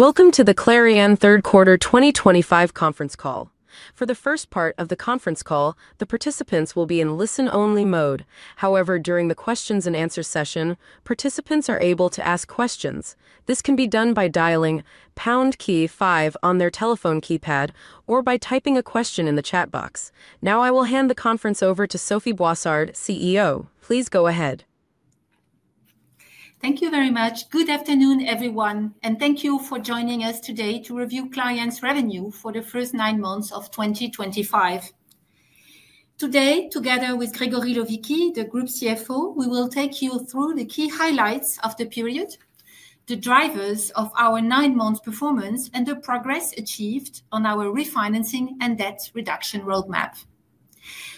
Welcome to the Clariane third quarter 2025 conference call. For the first part of the conference call, the participants will be in listen-only mode. However, during the questions and answers session, participants are able to ask questions. This can be done by dialing pound key five on their telephone keypad or by typing a question in the chat box. Now, I will hand the conference over to Sophie Boissard, CEO. Please go ahead. Thank you very much. Good afternoon, everyone, and thank you for joining us today to review Clariane's revenue for the first nine months of 2025. Today, together with Grégory Lovichi, the Group CFO, we will take you through the key highlights of the period, the drivers of our nine-month performance, and the progress achieved on our refinancing and debt reduction roadmap.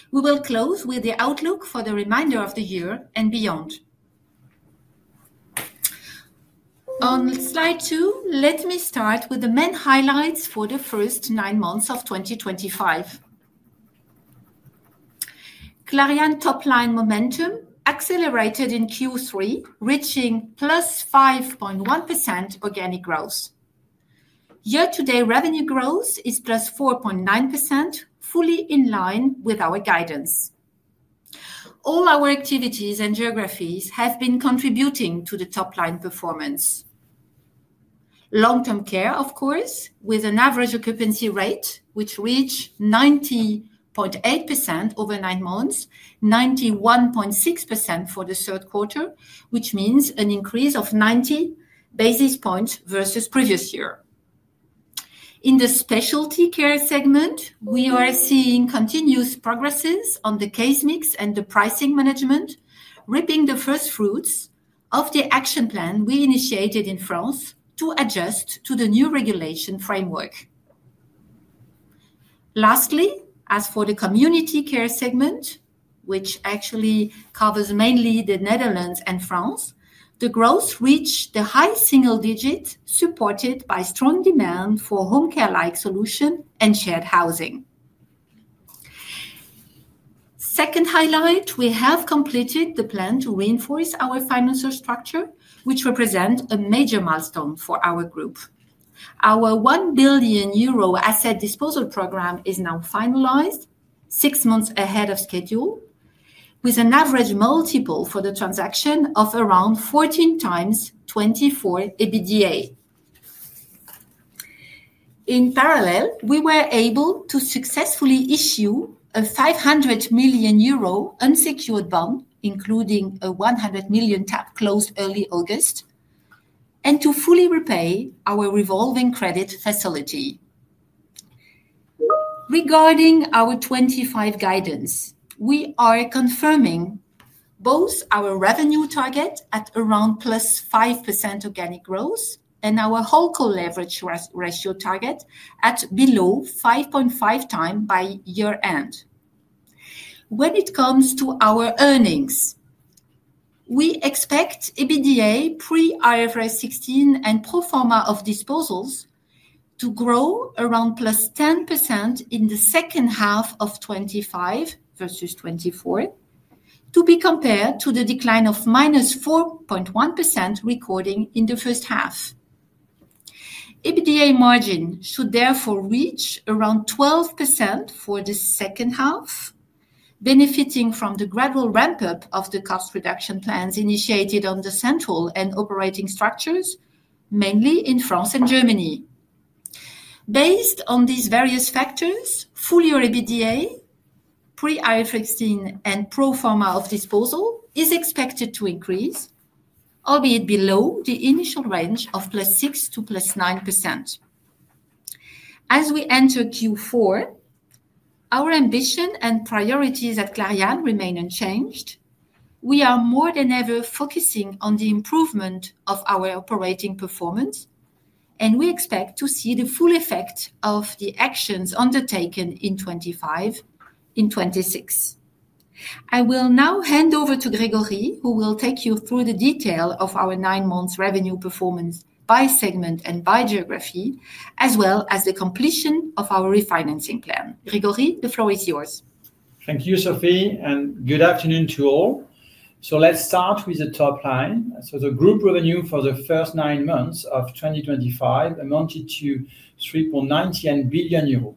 We will close with the outlook for the remainder of the year and beyond. On slide two, let me start with the main highlights for the first nine months of 2025. Clariane's top-line momentum accelerated in Q3, reaching +5.1% organic growth. Year-to-date revenue growth is +4.9%, fully in line with our guidance. All our activities and geographies have been contributing to the top-line performance. Long-Term Care, of course, with an average occupancy rate which reached 90.8% over nine months, 91.6% for the third quarter, which means an increase of 90 basis points versus the previous year. In the Specialty Care segment, we are seeing continuous progress on the case mix and the pricing management, reaping the first fruits of the action plan we initiated in France to adjust to the new regulation framework. Lastly, as for the Community Care segment, which actually covers mainly the Netherlands and France, the growth reached the high single digit, supported by strong demand for Home Care-like solutions and Shared Housing. Second highlight, we have completed the plan to reinforce our financial structure, which represents a major milestone for our group. Our 1 billion euro asset disposal program is now finalized, six months ahead of schedule, with an average multiple for the transaction of around 14x 2024 EBITDA. In parallel, we were able to successfully issue a 500 million euro unsecured bond, including a 100 million tap closed early August, and to fully repay our revolving credit facility. Regarding our 2025 guidance, we are confirming both our revenue target at around +5% organic growth and wholecore leverage ratio target at below 5.5x by year-end. When it comes to our earnings, we expect EBITDA pre-IFRS 16 and pro forma of disposals to grow around +10% in the second half of 2025 versus 2024, to be compared to the decline of -4.1% recorded in the first half. EBITDA margin should therefore reach around 12% for the second half, benefiting from the gradual ramp-up of the cost reduction plans initiated on the central and operating structures, mainly in France and Germany. Based on these various factors, fully EBITDA pre-IFRS 16 and pro forma of disposals is expected to increase, albeit below the initial range of +6% to +9%. As we enter Q4, our ambition and priorities at Clariane remain unchanged. We are more than ever focusing on the improvement of our operating performance, and we expect to see the full effect of the actions undertaken in 2026. I will now hand over to Grégory, who will take you through the detail of our nine-month revenue performance by segment and by geography, as well as the completion of our refinancing plan. Grégory, the floor is yours. Thank you, Sophie, and good afternoon to all. Let's start with the top line. The group revenue for the first nine months of 2025 amounted to 3.99 billion euros,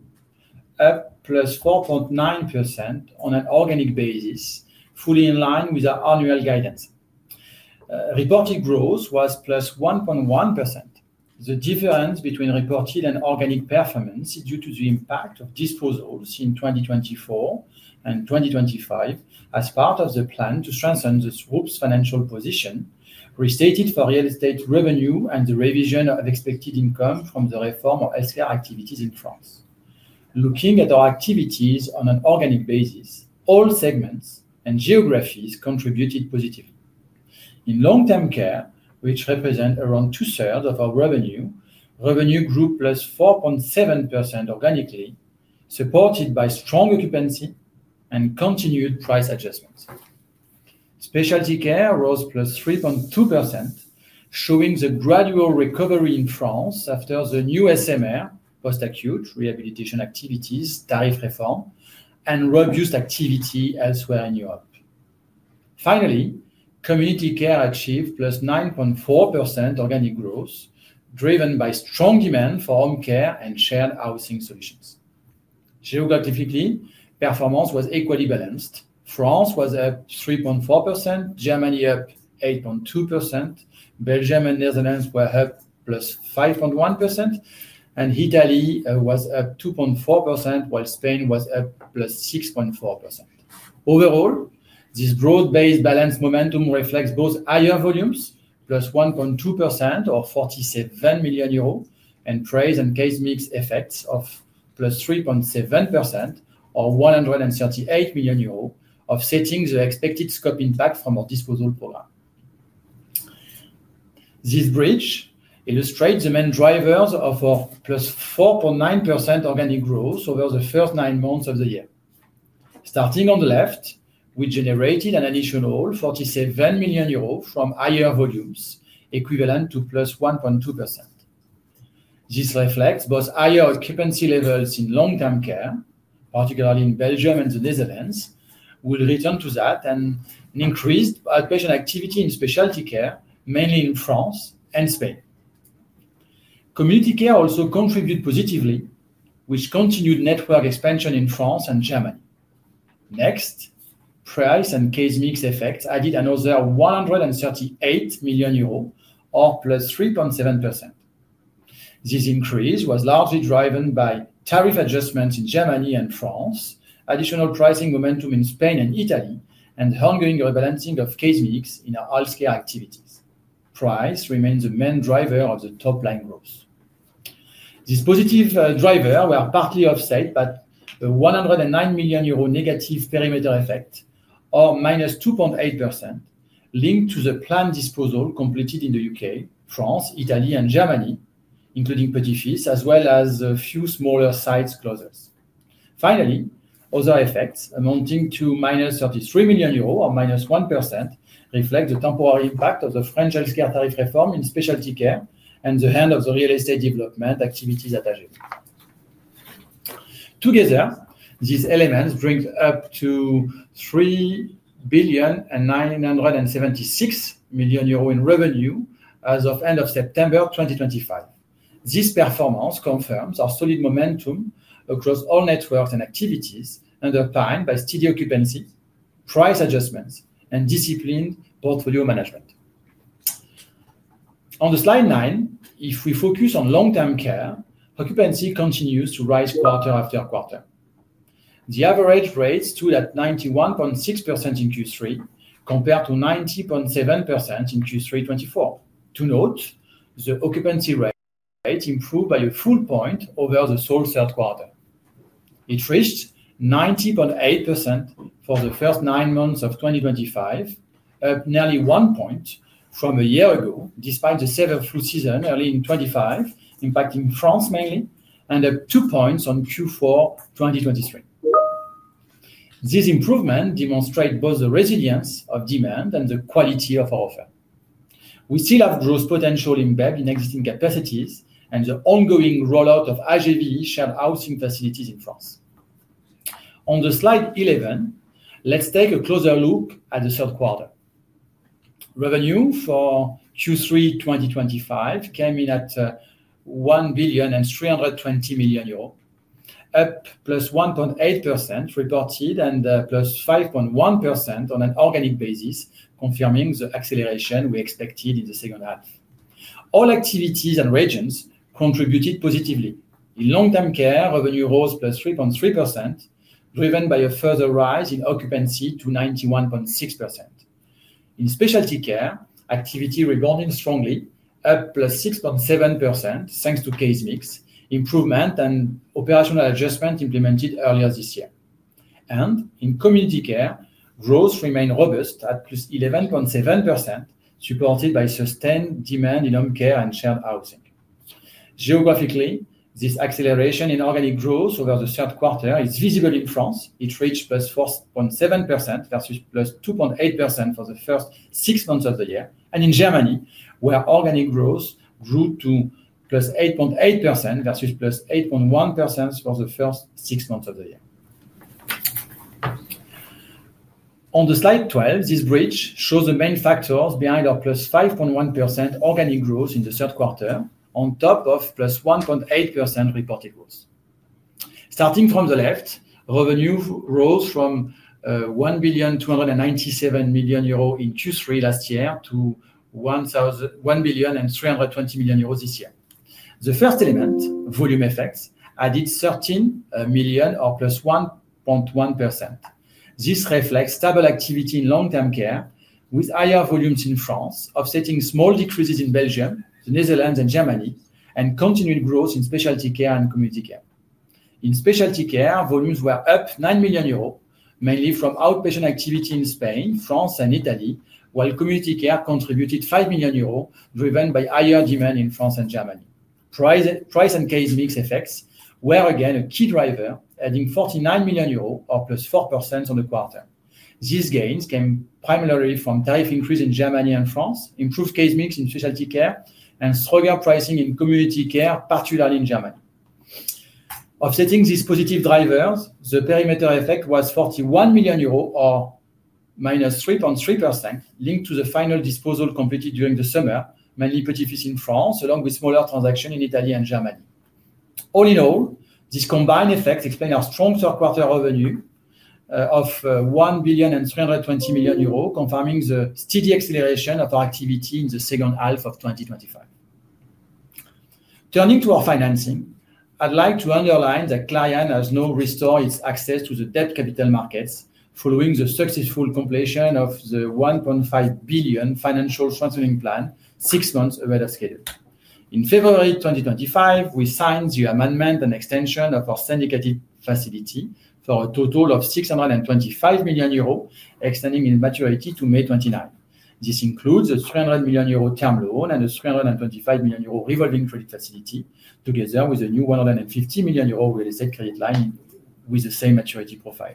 up +4.9% on an organic basis, fully in line with our annual guidance. Reported growth was +1.1%. The difference between reported and organic performance is due to the impact of disposals in 2024 and 2025, as part of the plan to strengthen the group's financial position, restated for real estate revenue and the revision of expected income from the reform of healthcare activities in France. Looking at our activities on an organic basis, all segments and geographies contributed positively. In Long-Term Care, which represents around 2/3 of our revenue, revenue grew +4.7% organically, supported by strong occupancy and continued price adjustments. Specialty Care rose +3.2%, showing the gradual recovery in France after the new SMR, post-acute rehabilitation activities, tariff reform, and reduced activity elsewhere in Europe. Finally, Community Care achieved +9.4% organic growth, driven by strong demand for Home Care Shared Housing Solutions. geographically, performance was equally balanced. France was up 3.4%, Germany up 8.2%, Belgium and Netherlands were up +5.1%, and Italy was up 2.4%, while Spain was up +6.4%. Overall, this growth-based balance momentum reflects both higher volumes, +1.2% or 47 million euros, and price and case mix effects of +3.7% or 138 million euros offsetting the expected scope impact from our asset disposal program. This bridge illustrates the main drivers of our +4.9% organic growth over the first nine months of the year. Starting on the left, we generated an additional 47 million euros from higher volumes, equivalent to +1.2%. This reflects both higher occupancy levels in Long-Term Care, particularly in Belgium and the Netherlands. We'll return to that, and an increased outpatient activity in Specialty Care, mainly in France and Spain. Community Care also contributed positively with continued network expansion in France and Germany. Next, price and case mix effects added another 138 million euros or +3.7%. This increase was largely driven by tariff adjustments in Germany and France, additional pricing momentum in Spain and Italy, and ongoing rebalancing of case mix in our healthcare activities. Price remains the main driver of the top-line growth. This positive driver, we are partly offset by a 109 million euro negative perimeter effect, or -2.8%, linked to the planned disposal completed in the U.K., France, Italy, and Germany, including petit-fiches, as well as a few smaller size closures. Finally, other effects amounting to -33 million euros or -1% reflect the temporary impact of the French healthcare tariff reform in Specialty Care and the hand of the real estate development activities attached. Together, these elements bring up to 3,976 billion in revenue as of end of September 2025. This performance confirms our solid momentum across all networks and activities, underpinned by steady occupancy, price adjustments, and disciplined portfolio management. On slide nine, if we focus on Long-Term Care, occupancy continues to rise quarter after quarter. The average rate stood at 91.6% in Q3, compared to 90.7% in Q3 2024. To note, the occupancy rate improved by a full point over the sole third quarter. It reached 90.8% for the first nine months of 2025, up nearly one point from a year ago, despite the severe flu season early in 2025, impacting France mainly, and up two points on Q4 2023. This improvement demonstrates both the resilience of demand and the quality of our offer. We still have growth potential embedded in existing capacities and the ongoing rollout of IGV Shared Housing facilities in France. On slide 11, let's take a closer look at the third quarter. Revenue for Q3 2025 came in at 1,320 billion, up +1.8% reported and +5.1% on an organic basis, confirming the acceleration we expected in the second half. All activities and regions contributed positively. In Long-Term Care, revenue rose +3.3%, driven by a further rise in occupancy to 91.6%. In Specialty Care, activity rebounded strongly, up +6.7% thanks to case mix, improvement, and operational adjustment implemented earlier this year. In Community Care, growth remained robust at +11.7%, supported by sustained demand in Home Care and Shared Housing. Geographically, this acceleration in organic growth over the third quarter is visible in France. It reached +4.7% versus +2.8% for the first six months of the year. In Germany, organic growth grew to +8.8% versus +8.1% for the first six months of the year. On slide 12, this bridge shows the main factors behind our +5.1% organic growth in the third quarter, on top of +1.8% reported growth. Starting from the left, revenue rose from 1,297 million euro in Q3 last year to 1,320 million euros this year. The first element, volume effects, added 13 million or +1.1%. This reflects stable activity in Long-Term Care, with higher volumes in France, offsetting small decreases in Belgium, the Netherlands, and Germany, and continued growth in Specialty Care and Community Care. In Specialty Care, volumes were up 9 million euros, mainly from outpatient activity in Spain, France, and Italy, while Community Care contributed 5 million euros, driven by higher demand in France and Germany. Price and case mix effects were again a key driver, adding 49 million euros or +4% on the quarter. These gains came primarily from tariff increases in Germany and France, improved case mix in Specialty Care, and stronger pricing in Community Care, particularly in Germany. Offsetting these positive drivers, the perimeter effect was 41 million euros or -3.3% linked to the final disposal completed during the summer, mainly petit-fiches in France, along with smaller transactions in Italy and Germany. All-in-all, this combined effect explains our strong third-quarter revenue of 1,320 billion, confirming the steady acceleration of our activity in the second half of 2025. Turning to our financing, I'd like to underline that Clariane has now restored its access to the debt capital markets following the successful completion of the 1.5 billion financial strengthening plan, six months ahead of schedule. In February 2025, we signed the amendment and extension of our syndicated facility for a total of 625 million euros, extending its maturity to May 2029. This includes a 300 million euro term loan and a 325 million euro revolving credit facility, together with a new 150 million euro real estate credit line with the same maturity profile.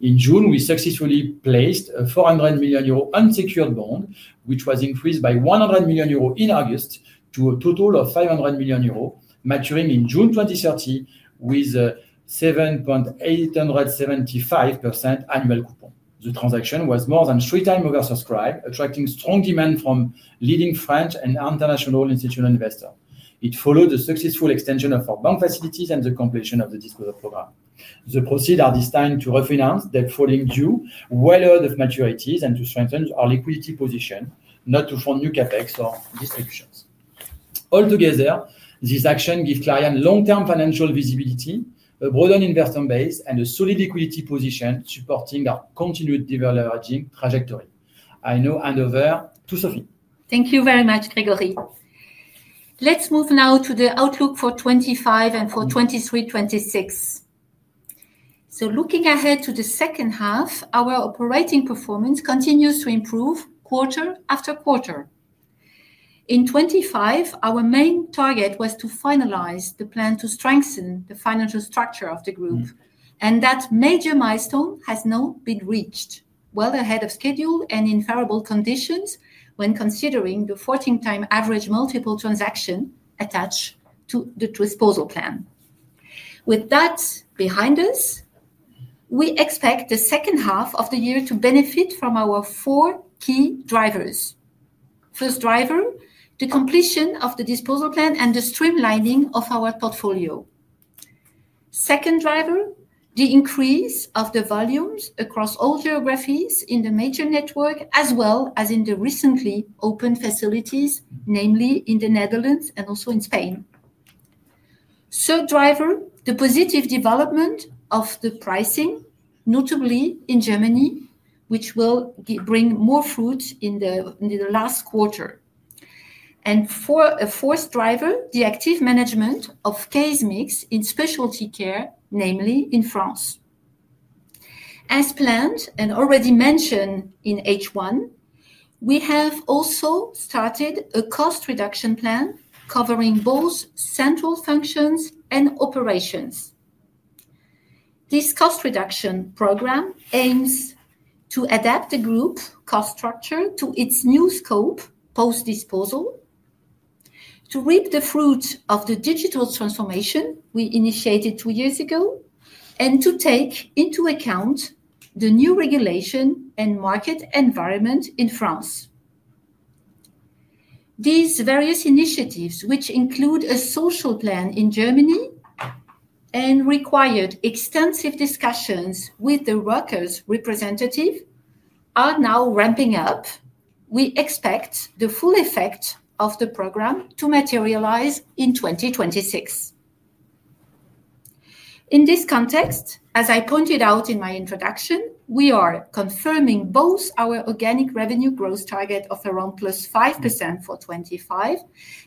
In June, we successfully placed a 400 million euro unsecured bond, which was increased by 100 million euro in August to a total of 500 million euro, maturing in June 2030 with a 7.875% annual coupon. The transaction was more than 3x oversubscribed, attracting strong demand from leading French and international institutional investors. It followed the successful extension of our bank facilities and the completion of the asset disposal program. The proceeds are destined to refinance debt falling due, well ahead of maturities, and to strengthen our liquidity position, not to fund new CapEx or distributions. Altogether, these actions give Clariane long-term financial visibility, a broadened investment base, and a solid liquidity position, supporting our continued deleveraging trajectory. I now hand over to Sophie. Thank you very much, Grégory. Let's move now to the outlook for 2025 and for 2023, 2026. Looking ahead to the second half, our operating performance continues to improve quarter-after-quarter. In 2025, our main target was to finalize the plan to strengthen the financial structure of the group, and that major milestone has now been reached, well ahead of schedule and in favorable conditions when considering the 14x average multiple transaction attached to the disposal plan. With that behind us, we expect the second half of the year to benefit from our four key drivers. First driver, the completion of the disposal plan and the streamlining of our portfolio. Second driver, the increase of the volumes across all geographies in the major network, as well as in the recently opened facilities, namely in the Netherlands and also in Spain. Third driver, the positive development of the pricing, notably in Germany, which will bring more fruit in the last quarter. A fourth driver, the active management of case mix in Specialty Care, namely in France. As planned and already mentioned in H1, we have also started a cost reduction plan covering both central functions and operations. This cost reduction program aims to adapt the group cost structure to its new scope, post-disposal, to reap the fruits of the digital transformation we initiated two years ago, and to take into account the new regulation and market environment in France. These various initiatives, which include a social plan in Germany and required extensive discussions with the workers' representative, are now ramping up. We expect the full effect of the program to materialize in 2026. In this context, as I pointed out in my introduction, we are confirming both our organic revenue growth target of around +5% for 2025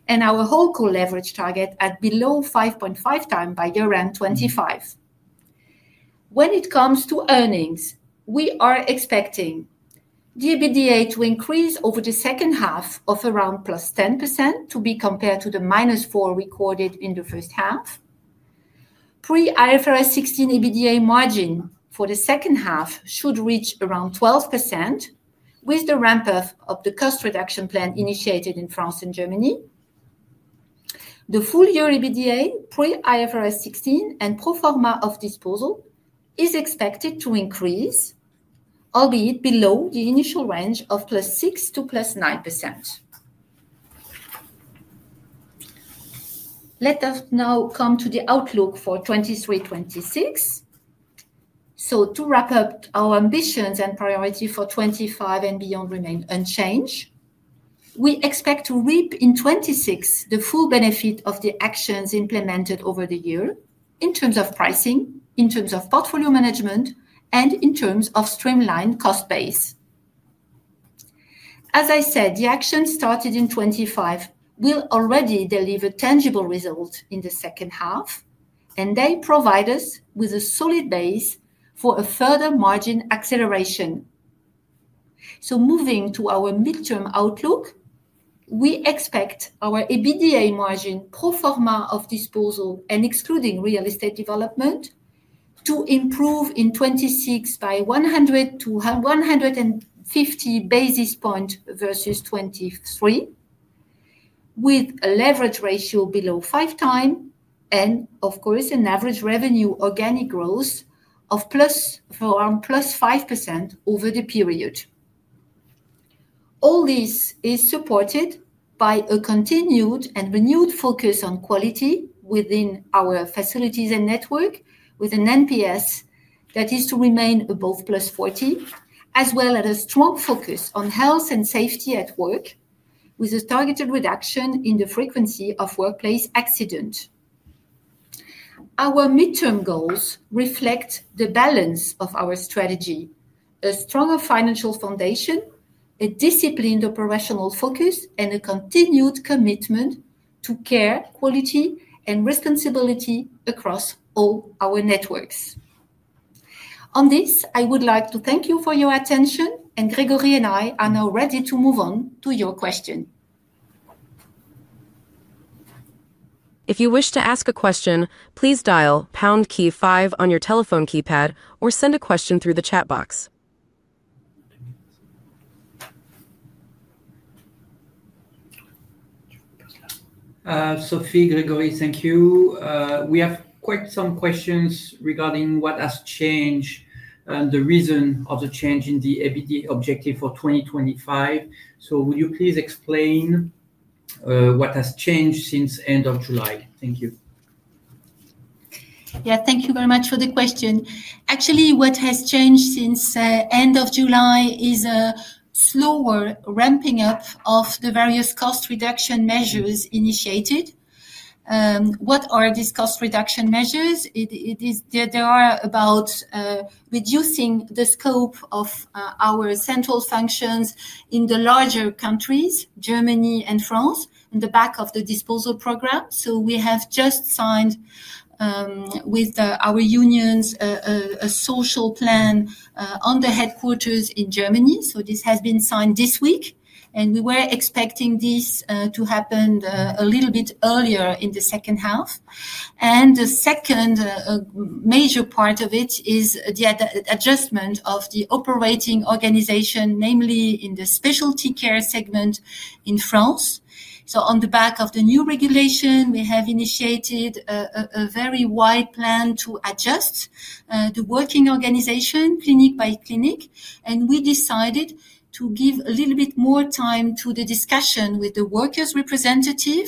and wholecore leverage target at below 5.5x by year-end 2025. When it comes to earnings, we are expecting the EBITDA to increase over the second half of around +10% to be compared to the -4% recorded in the first half. Pre-IFRS 16 EBITDA margin for the second half should reach around 12% with the ramp-up of the cost reduction plan initiated in France and Germany. The full-year EBITDA pre-IFRS 16 and pro forma of disposal is expected to increase, albeit below the initial range of +6% to +9%. Let us now come to the outlook for 2023, 2026. To wrap up, our ambitions and priorities for 2025 and beyond remain unchanged. We expect to reap in 2026 the full benefit of the actions implemented over the year in terms of pricing, in terms of portfolio management, and in terms of streamlined cost base. As I said, the actions started in 2025 will already deliver tangible results in the second half, and they provide us with a solid base for a further margin acceleration. Moving to our midterm outlook, we expect our EBITDA margin pro forma of disposals and excluding real estate development to improve in 2026 by 100-150 basis points versus 2023, with a leverage ratio below 5x and, of course, an average organic revenue growth of around +5% over the period. All this is supported by a continued and renewed focus on quality within our facilities and network, with an NPS that is to remain above +40%, as well as a strong focus on health and safety at work, with a targeted reduction in the frequency of workplace accidents. Our midterm goals reflect the balance of our strategy: a stronger financial foundation, a disciplined operational focus, and a continued commitment to care, quality, and responsibility across all our networks. I would like to thank you for your attention, and Grégory and I are now ready to move on to your questions. If you wish to ask a question, please dial pound key five on your telephone keypad or send a question through the chat box. Sophie, Grégory, thank you. We have quite some questions regarding what has changed and the reason of the change in the EBITDA objective for 2025. Would you please explain what has changed since the end of July? Thank you. Thank you very much for the question. Actually, what has changed since the end of July is a slower ramping up of the various cost reduction measures initiated. What are these cost reduction measures? They are about reducing the scope of our central functions in the larger countries, Germany and France, on the back of the asset disposal program. We have just signed with our unions a social plan on the headquarters in Germany. This has been signed this week, and we were expecting this to happen a little bit earlier in the second half. The second major part of it is the adjustment of the operating organization, namely in the Specialty Care segment in France. On the back of the new regulation, we have initiated a very wide plan to adjust the working organization clinic-b-clinic, and we decided to give a little bit more time to the discussion with the workers' representative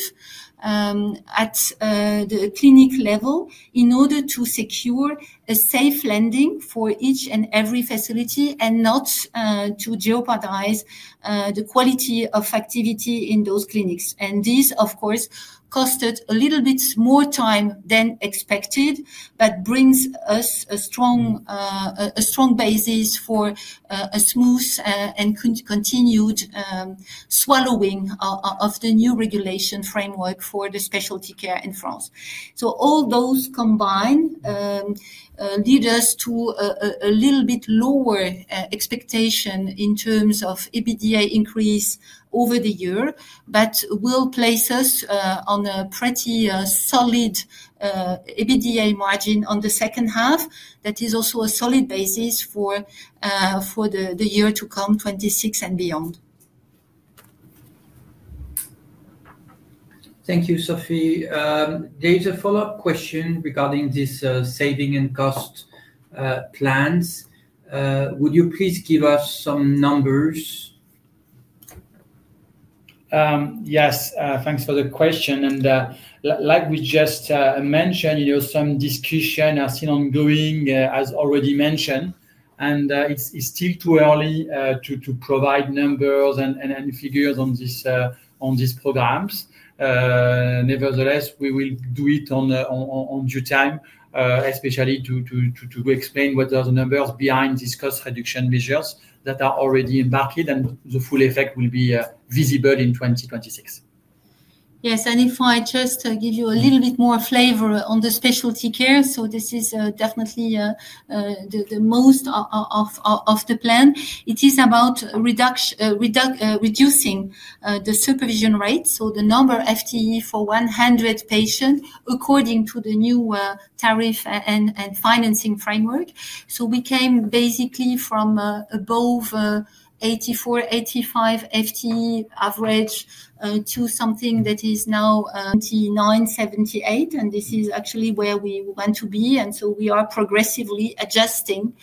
at the clinic level in order to secure a safe landing for each and every facility and not to jeopardize the quality of activity in those clinics. This, of course, cost a little bit more time than expected, but brings us a strong basis for a smooth and continued swallowing of the new regulation framework for the Specialty Care in France. All those combined lead us to a little bit lower expectation in terms of EBITDA increase over the year, but will place us on a pretty solid EBITDA margin on the second half that is also a solid basis for the year to come, 2026 and beyond. Thank you, Sophie. There is a follow-up question regarding these saving and cost plans. Would you please give us some numbers? Yes, thanks for the question. Like we just mentioned, some discussions are still ongoing, as already mentioned, and it's still too early to provide numbers and figures on these programs. Nevertheless, we will do it in due time, especially to explain what are the numbers behind these cost reduction measures that are already embarked, and the full effect will be visible in 2026. Yes, and if I just give you a little bit more flavor on the Specialty Care, this is definitely the most of the plan. It is about reducing the supervision rate, so the number of FTE for 100 patients according to the new tariff and financing framework. We came basically from above 84, 85 FTE average to something that is now 29.78, and this is actually where we want to be. We are progressively adjusting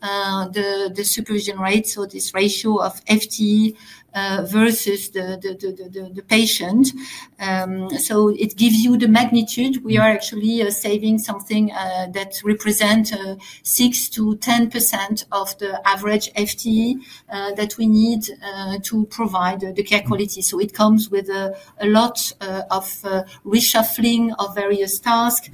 the supervision rate, this ratio of FTE versus the patient. It gives you the magnitude. We are actually saving something that represents 6%-10% of the average FTE that we need to provide the care quality. It comes with a lot of reshuffling of various tasks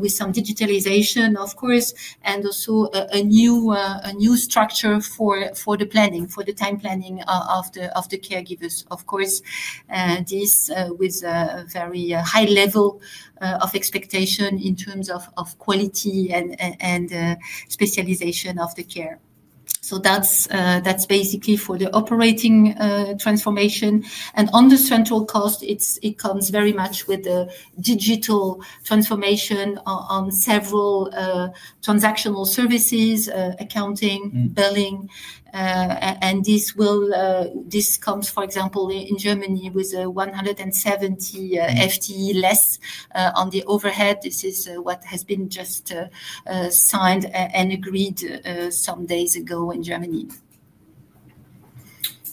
with some digitalization, of course, and also a new structure for the planning, for the time planning of the caregivers. This is with a very high level of expectation in terms of quality and specialization of the care. That is basically for the operating transformation. On the central cost, it comes very much with the digital transformation on several transactional services, accounting, billing. This comes, for example, in Germany with 170 FTE less on the overhead. This is what has been just signed and agreed some days ago in Germany.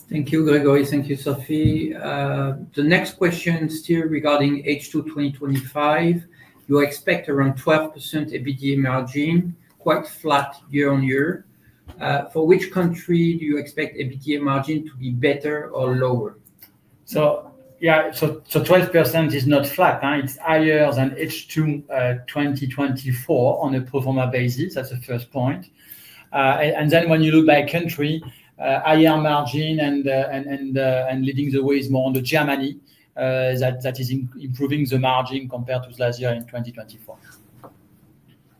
Thank you, Grégory. Thank you, Sophie. The next question is still regarding H2 2025. You expect around 12% EBITDA margin, quite flat year-on-year. For which country do you expect EBITDA margin to be better or lower? 12% is not flat. It's higher than H2 2024 on a pro forma basis. That's the first point. When you look by country, higher margin and leading the way is more on Germany that is improving the margin compared to last year in 2024.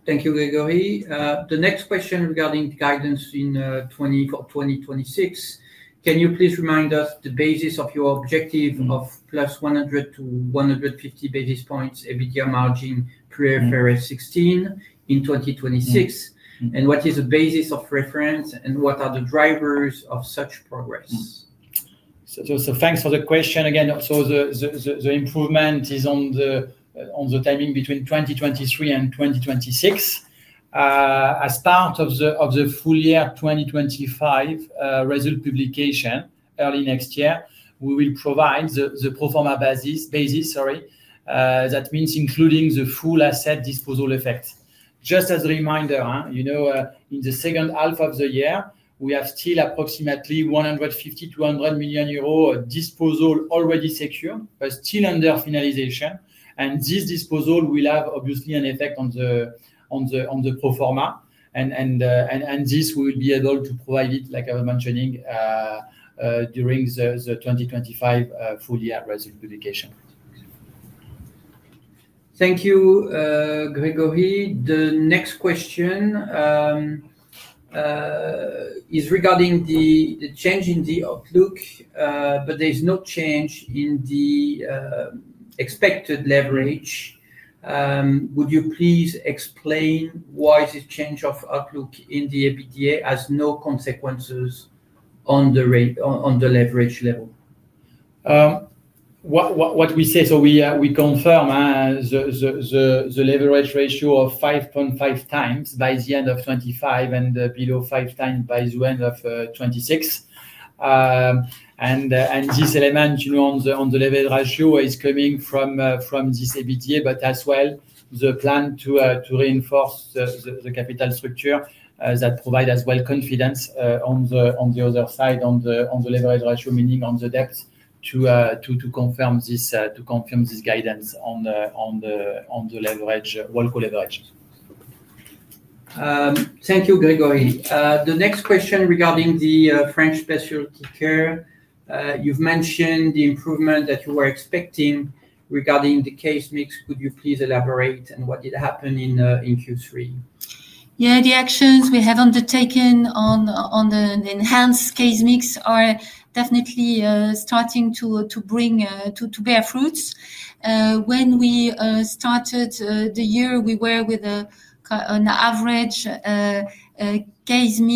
Thank you, Grégory. The next question regarding the guidance for 2026. Can you please remind us the basis of your objective of +100 to 150 basis points EBITDA margin pre-IFRS 16 in 2026? What is the basis of reference, and what are the drivers of such progress? Thank you for the question again. The improvement is on the timing between 2023 and 2026. As part of the full year 2025 result publication early next year, we will provide the pro forma basis, that means including the full asset disposal effect. Just as a reminder, in the second half of the year, we have still approximately 150 million-100 million euros disposals already secured, still under finalization. This disposal will obviously have an effect on the pro forma. We will be able to provide it, like I was mentioning, during the 2025 full year result publication. Thank you, Grégory. The next question is regarding the change in the outlook, but there's no change in the expected leverage. Would you please explain why this change of outlook in the EBITDA has no consequences on the leverage level? We confirm the leverage ratio of 5.5x by the end of 2025 and below 5x by the end of 2026. This element on the leverage ratio is coming from this EBITDA, as well as the plan to reinforce the capital structure that provides confidence on the other side, on the leverage ratio, meaning on the debt, to confirm this guidance on the leverage, wholecore leverage. Thank you, Grégory. The next question regarding the French Specialty Care. You've mentioned the improvement that you were expecting regarding the case mix. Could you please elaborate on what did happen in Q3? Yeah, the actions we have undertaken on the enhanced case mix are definitely starting to bear fruits. When we started the year, we were with an average case mix,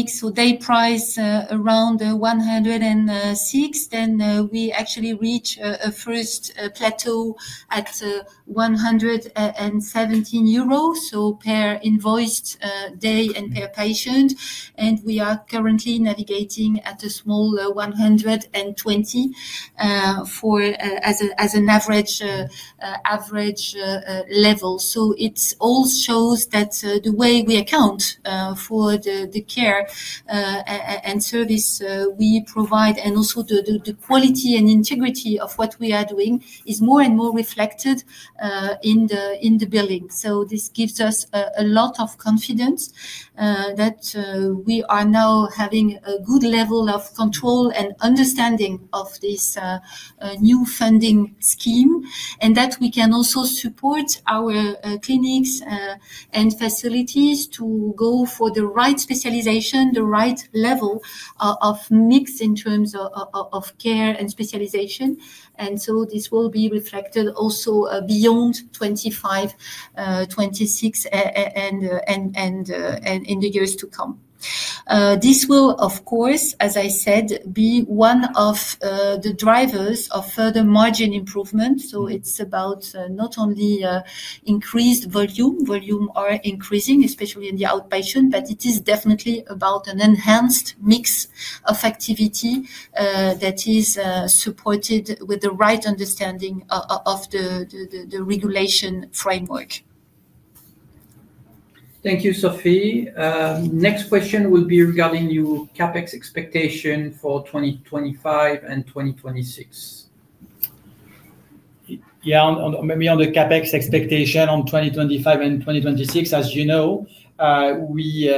so day price around 106. Then we actually reached a first plateau at 117 euros, so per invoiced day and per patient. We are currently navigating at a small 120 as an average level. It all shows that the way we account for the care and service we provide and also the quality and integrity of what we are doing is more and more reflected in the billing. This gives us a lot of confidence that we are now having a good level of control and understanding of this new funding scheme and that we can also support our clinics and facilities to go for the right specialization, the right level of mix in terms of care and specialization. This will be reflected also beyond 2025, 2026, and in the years to come. This will, of course, as I said, be one of the drivers of further margin improvement. It's about not only increased volume. Volumes are increasing, especially in the outpatient, but it is definitely about an enhanced mix of activity that is supported with the right understanding of the regulation framework. Thank you, Sophie. Next question will be regarding your CapEx expectation for 2025 and 2026. Yeah, maybe on the CapEx expectation on 2025 and 2026. As you know, we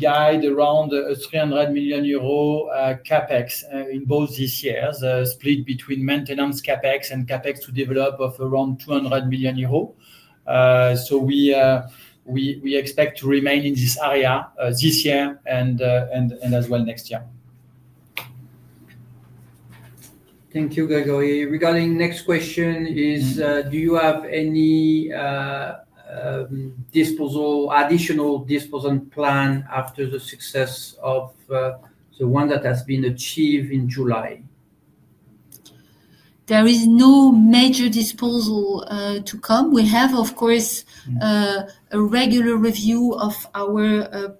guide around 300 million euros CapEx in both these years, split between maintenance CapEx and CapEx to develop of around 200 million euro. We expect to remain in this area this year and as well next year. Thank you, Grégory. Regarding the next question, do you have any additional disposal plan after the success of the one that has been achieved in July? There is no major disposal to come. We have, of course, a regular review of our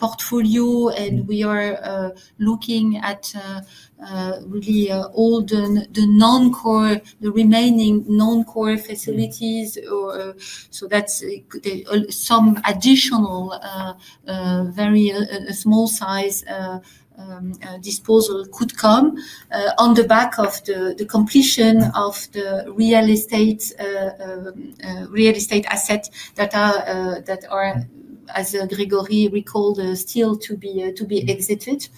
portfolio, and we are looking at really all the non-core, the remaining non-core facilities. That means some additional very small-sized disposal could come on the back of the completion of the real estate assets that are, as Grégory recalled, still to be exited.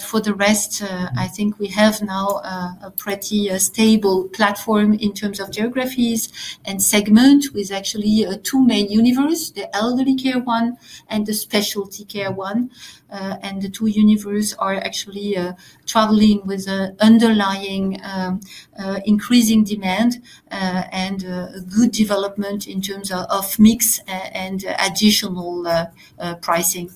For the rest, I think we have now a pretty stable platform in terms of geographies and segments with actually two main universes, the Elderly Care 1 and the Specialty Care 1. The two universes are actually traveling with an underlying increasing demand and a good development in terms of mix and additional pricing.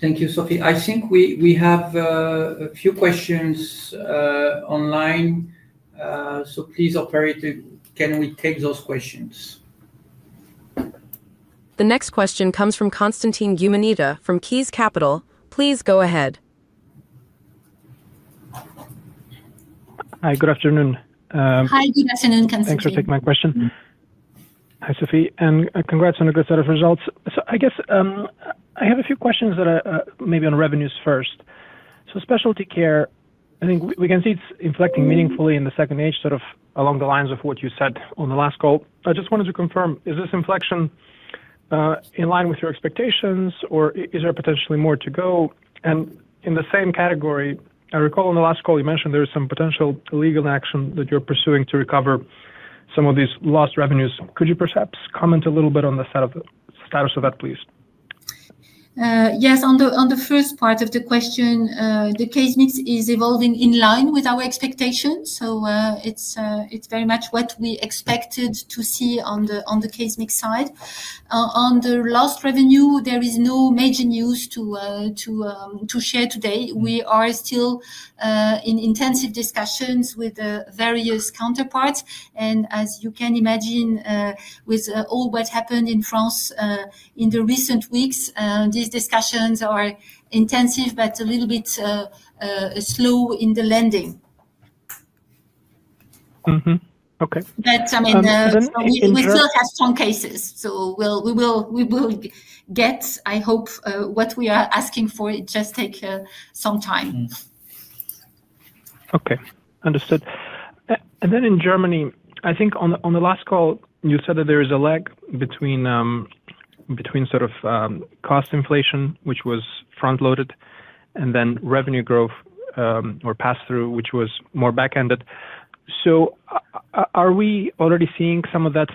Thank you, Sophie. I think we have a few questions online. Please, operator, can we take those questions? The next question comes from Constantine Guimaraes from Key Capital. Please go ahead. Hi, good afternoon. Hi, good afternoon, [Constantine.] Thanks for taking my question. Hi, Sophie, and congrats on a good set of results. I have a few questions that are maybe on revenues first. Specialty Care, I think we can see it's inflecting meaningfully in the second age, sort of along the lines of what you said on the last call. I just wanted to confirm, is this inflection in line with your expectations, or is there potentially more to go? In the same category, I recall on the last call you mentioned there is some potential legal action that you're pursuing to recover some of these lost revenues. Could you perhaps comment a little bit on the status of that, please? Yes, on the first part of the question, the case mix is evolving in line with our expectations. It's very much what we expected to see on the case mix side. On the lost revenue, there is no major news to share today. We are still in intensive discussions with the various counterparts. As you can imagine, with all what happened in France in the recent weeks, these discussions are intensive, but a little bit slow in the lending. Okay. We still have some cases, so we will get, I hope, what we are asking for it just takes some time. Okay, understood. In Germany, I think on the last call, you said that there is a lag between sort of cost inflation, which was front-loaded, and then revenue growth or pass-through, which was more back-ended. Are we already seeing some of that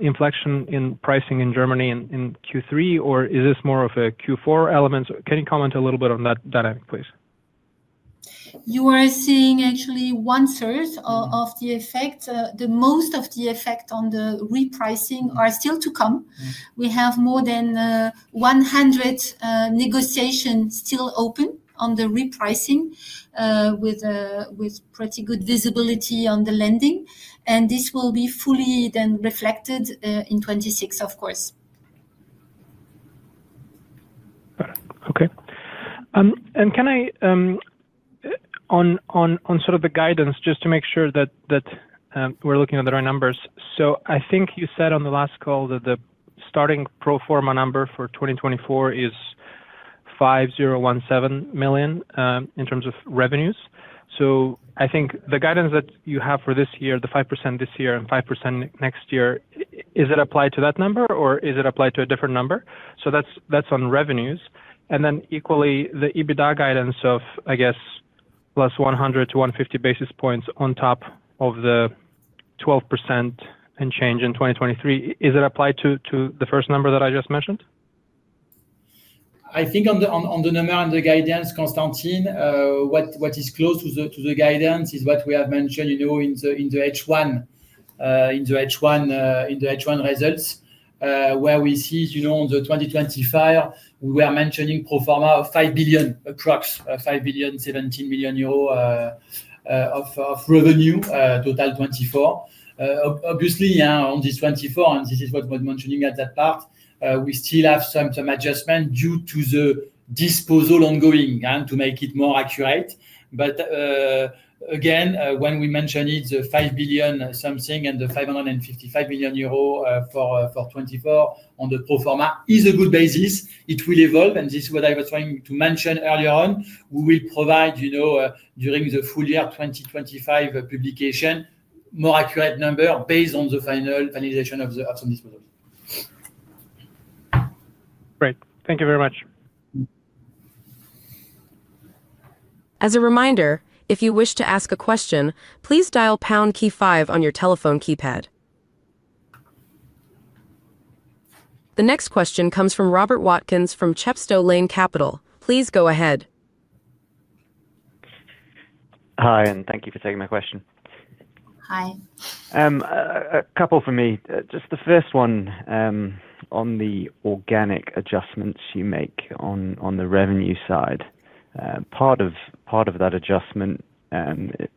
inflection in pricing in Germany in Q3, or is this more of a Q4 element? Can you comment a little bit on that dynamic, please? You are seeing actually one-third of the effect. Most of the effect on the repricing is still to come. We have more than 100 negotiations still open on the repricing with pretty good visibility on the lending. This will be fully then reflected in 2026, of course. Okay. Can I, on sort of the guidance, just to make sure that we're looking at the right numbers? I think you said on the last call that the starting pro forma number for 2024 is 5,017 million in terms of revenues. I think the guidance that you have for this year, the 5% this year and 5% next year, is it applied to that number, or is it applied to a different number? That's on revenues. Equally, the EBITDA guidance of, I guess, +100 to 150 basis points on top of the 12% and change in 2023, is it applied to the first number that I just mentioned? I think on the number and the guidance, [Constantine], what is close to the guidance is what we have mentioned in the H1 results, where we see on the 2025, we were mentioning pro forma 5 billion, approximately 5 billion, 17 million euros of revenue, total 2024. Obviously, on this 2024, and this is what we're mentioning at that part, we still have some adjustment due to the disposal ongoing to make it more accurate. Again, when we mentioned it, the 5 billion something and the 555 million euros for 2024 on the pro forma is a good basis. It will evolve. This is what I was trying to mention earlier on. We will provide, you know, during the full year 2025 publication, a more accurate number based on the finalization of some disposals. Great. Thank you very much. As a reminder, if you wish to ask a question, please dial pound key five on your telephone keypad. The next question comes from Robert Watkins from Chepstow Lane Capital. Please go ahead. Hi, and thank you for taking my question. Hi. A couple for me. The first one on the organic adjustments you make on the revenue side. Part of that adjustment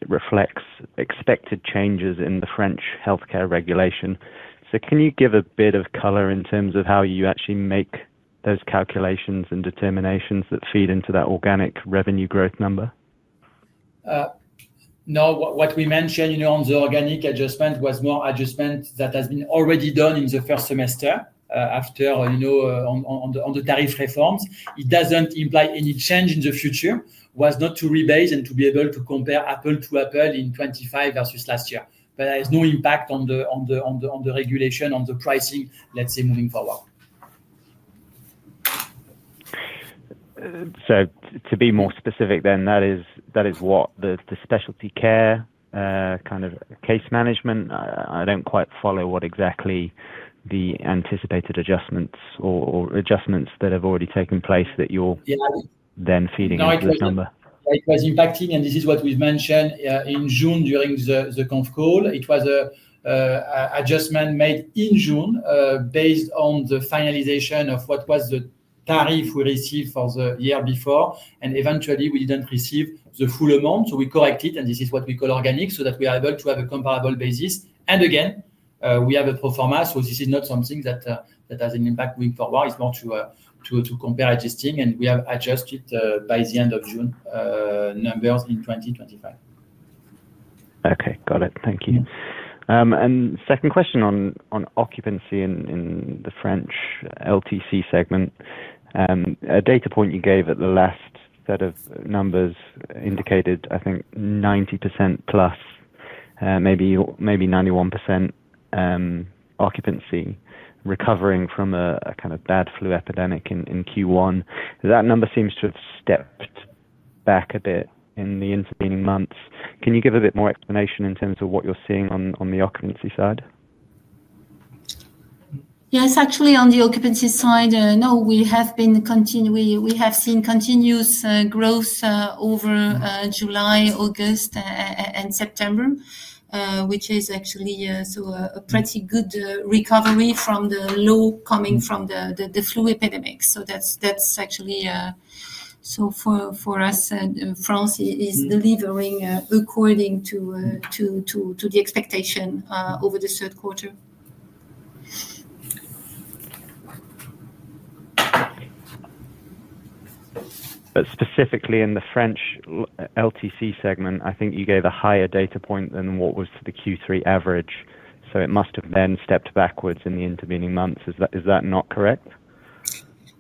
reflects expected changes in the French Healthcare Regulation. Can you give a bit of color in terms of how you actually make those calculations and determinations that feed into that organic revenue growth number? Now, what we mentioned on the organic adjustment was more adjustment that has been already done in the first semester after the tariff reforms. It doesn't imply any change in the future, was not to rebase and to be able to compare apple to apple in 2025 versus last year. It has no impact on the regulation, on the pricing, let's say, moving forward. To be more specific then, that is what the Specialty Care kind of case management, I don't quite follow what exactly the anticipated adjustments or adjustments that have already taken place that you're then feeding into this number. It was impacting, and this is what we've mentioned in June during the conf call. It was an adjustment made in June based on the finalization of what was the tariff we received for the year before. Eventually, we didn't receive the full amount, so we correct it, and this is what we call organic, so that we are able to have a comparable basis. We have a pro forma, so this is not something that has an impact moving forward. It's more to compare adjusting, and we have adjusted by the end of June numbers in 2025. Okay, got it. Thank you. Second question on occupancy in the French LTC segment. A data point you gave at the last set of numbers indicated, I think, 90%+, maybe 91% occupancy recovering from a kind of bad flu epidemic in Q1. That number seems to have stepped back a bit in the intervening months. Can you give a bit more explanation in terms of what you're seeing on the occupancy side? Yes, actually, on the occupancy side, no, we have been continuing, we have seen continuous growth over July, August, and September, which is actually a pretty good recovery from the low coming from the flu epidemic. That's actually, so for us, France is delivering according to the expectation over the third quarter. Specifically in the French LTC segment, I think you gave a higher data point than what was the Q3 average. It must have then stepped backwards in the intervening months. Is that not correct?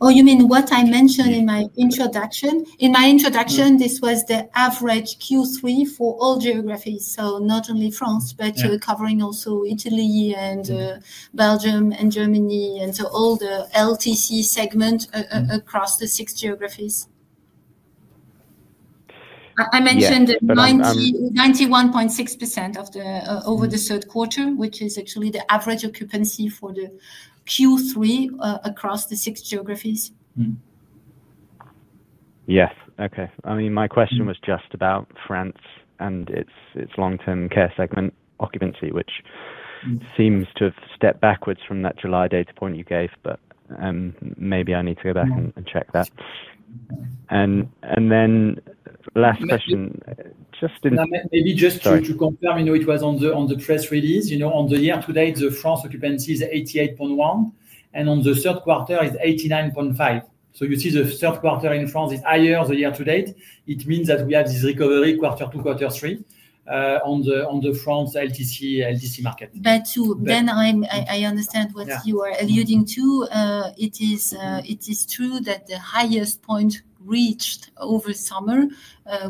Oh, you mean what I mentioned in my introduction? In my introduction, this was the average Q3 for all geographies, so not only France, but covering also Italy and Belgium and Germany and all the LTC segment across the six geographies. I mentioned 91.6% over the third quarter, which is actually the average occupancy for the Q3 across the six geographies. Yes, okay. I mean, my question was just about France and its Long-Term Care segment occupancy, which seems to have stepped backwards from that July data point you gave, but maybe I need to go back and check that. The last question, just in. Maybe just to confirm, it was on the press release. On the year-to-date, France occupancy is 88.1%, and on the third quarter, it's 89.5%. You see the third quarter in France is higher than year-to-date. It means that we have this recovery quarter two, quarter three on the France LTC market. Ben, I understand what you are alluding to. It is true that the highest point reached over summer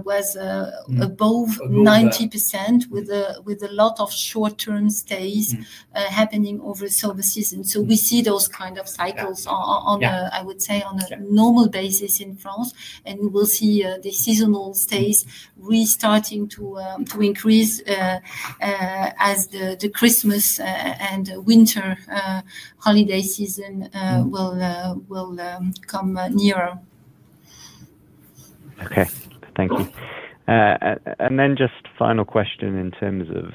was above 90% with a lot of short-term stays happening over the summer season. We see those kinds of cycles, I would say, on a normal basis in France. We will see the seasonal stays restarting to increase as the Christmas and winter holiday season will come nearer. Okay, thank you. Just final question in terms of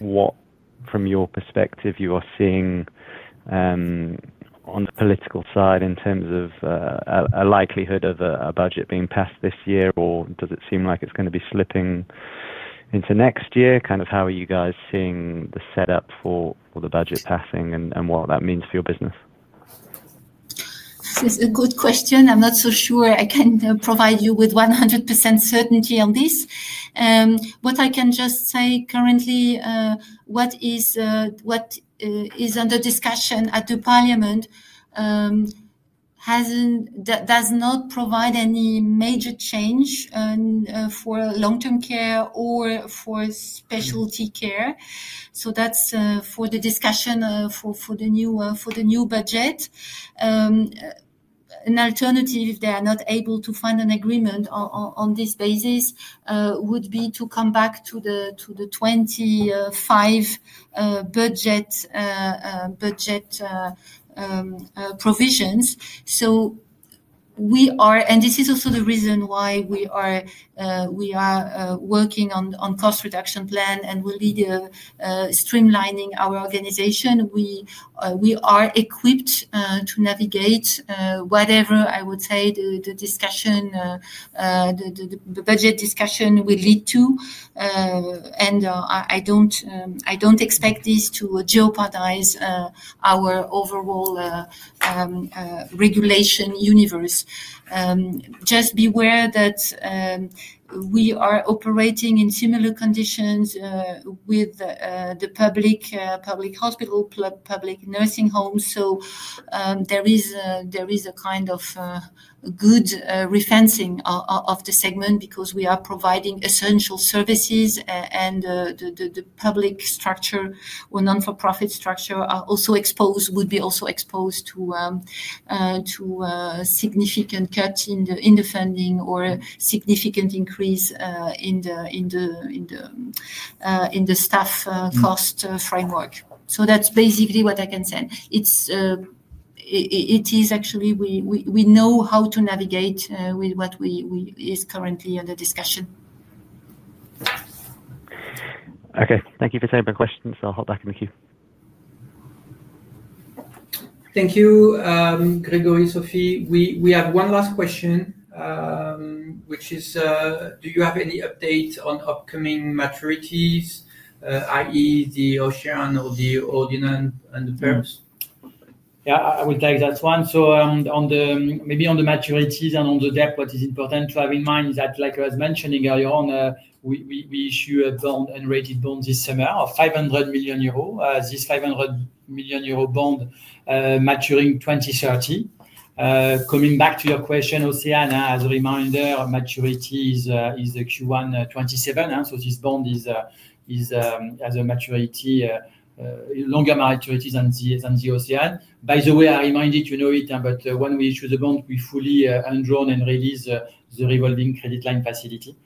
what, from your perspective, you are seeing on the political side in terms of a likelihood of a budget being passed this year, or does it seem like it's going to be slipping into next year? How are you guys seeing the setup for the budget passing and what that means for your business? It's a good question. I'm not so sure I can provide you with 100% certainty on this. What I can just say currently, what is under discussion at the Parliament does not provide any major change for Long-Term Care or for Specialty Care. That's for the discussion for the new budget. An alternative, if they are not able to find an agreement on this basis, would be to come back to the 2025 budget provisions. We are, and this is also the reason why we are working on a cost reduction plan and will be streamlining our organization. We are equipped to navigate whatever, I would say, the discussion, the budget discussion will lead to. I don't expect this to jeopardize our overall regulation universe. Just be aware that we are operating in similar conditions with the public hospital, public nursing homes. There is a kind of good refinancing of the segment because we are providing essential services, and the public structure or non-for-profit structure are also exposed, would be also exposed to significant cuts in the funding or significant increase in the staff cost framework. That's basically what I can say. Actually, we know how to navigate with what is currently under discussion. Okay, thank you for taking my question. I'll hop back in the queue. Thank you, Grégory, Sophie. We have one last question, which is, do you have any updates on upcoming maturities, i.e., the OCEANE or the DIRNANE and the PERPS? I will take that one. Maybe on the maturities and on the debt, what is important to have in mind is that, like I was mentioning earlier on, we issue a bond and rated bond this summer of 500 million euro. This 500 million euro bond is maturing 2030. Coming back to your question, OCEANE, as a reminder, maturity is the Q1 2027. This bond has a maturity, longer maturities than the OCEANE. By the way, I reminded you to know it, but when we issue the bond, we fully undraw and release the revolving credit facility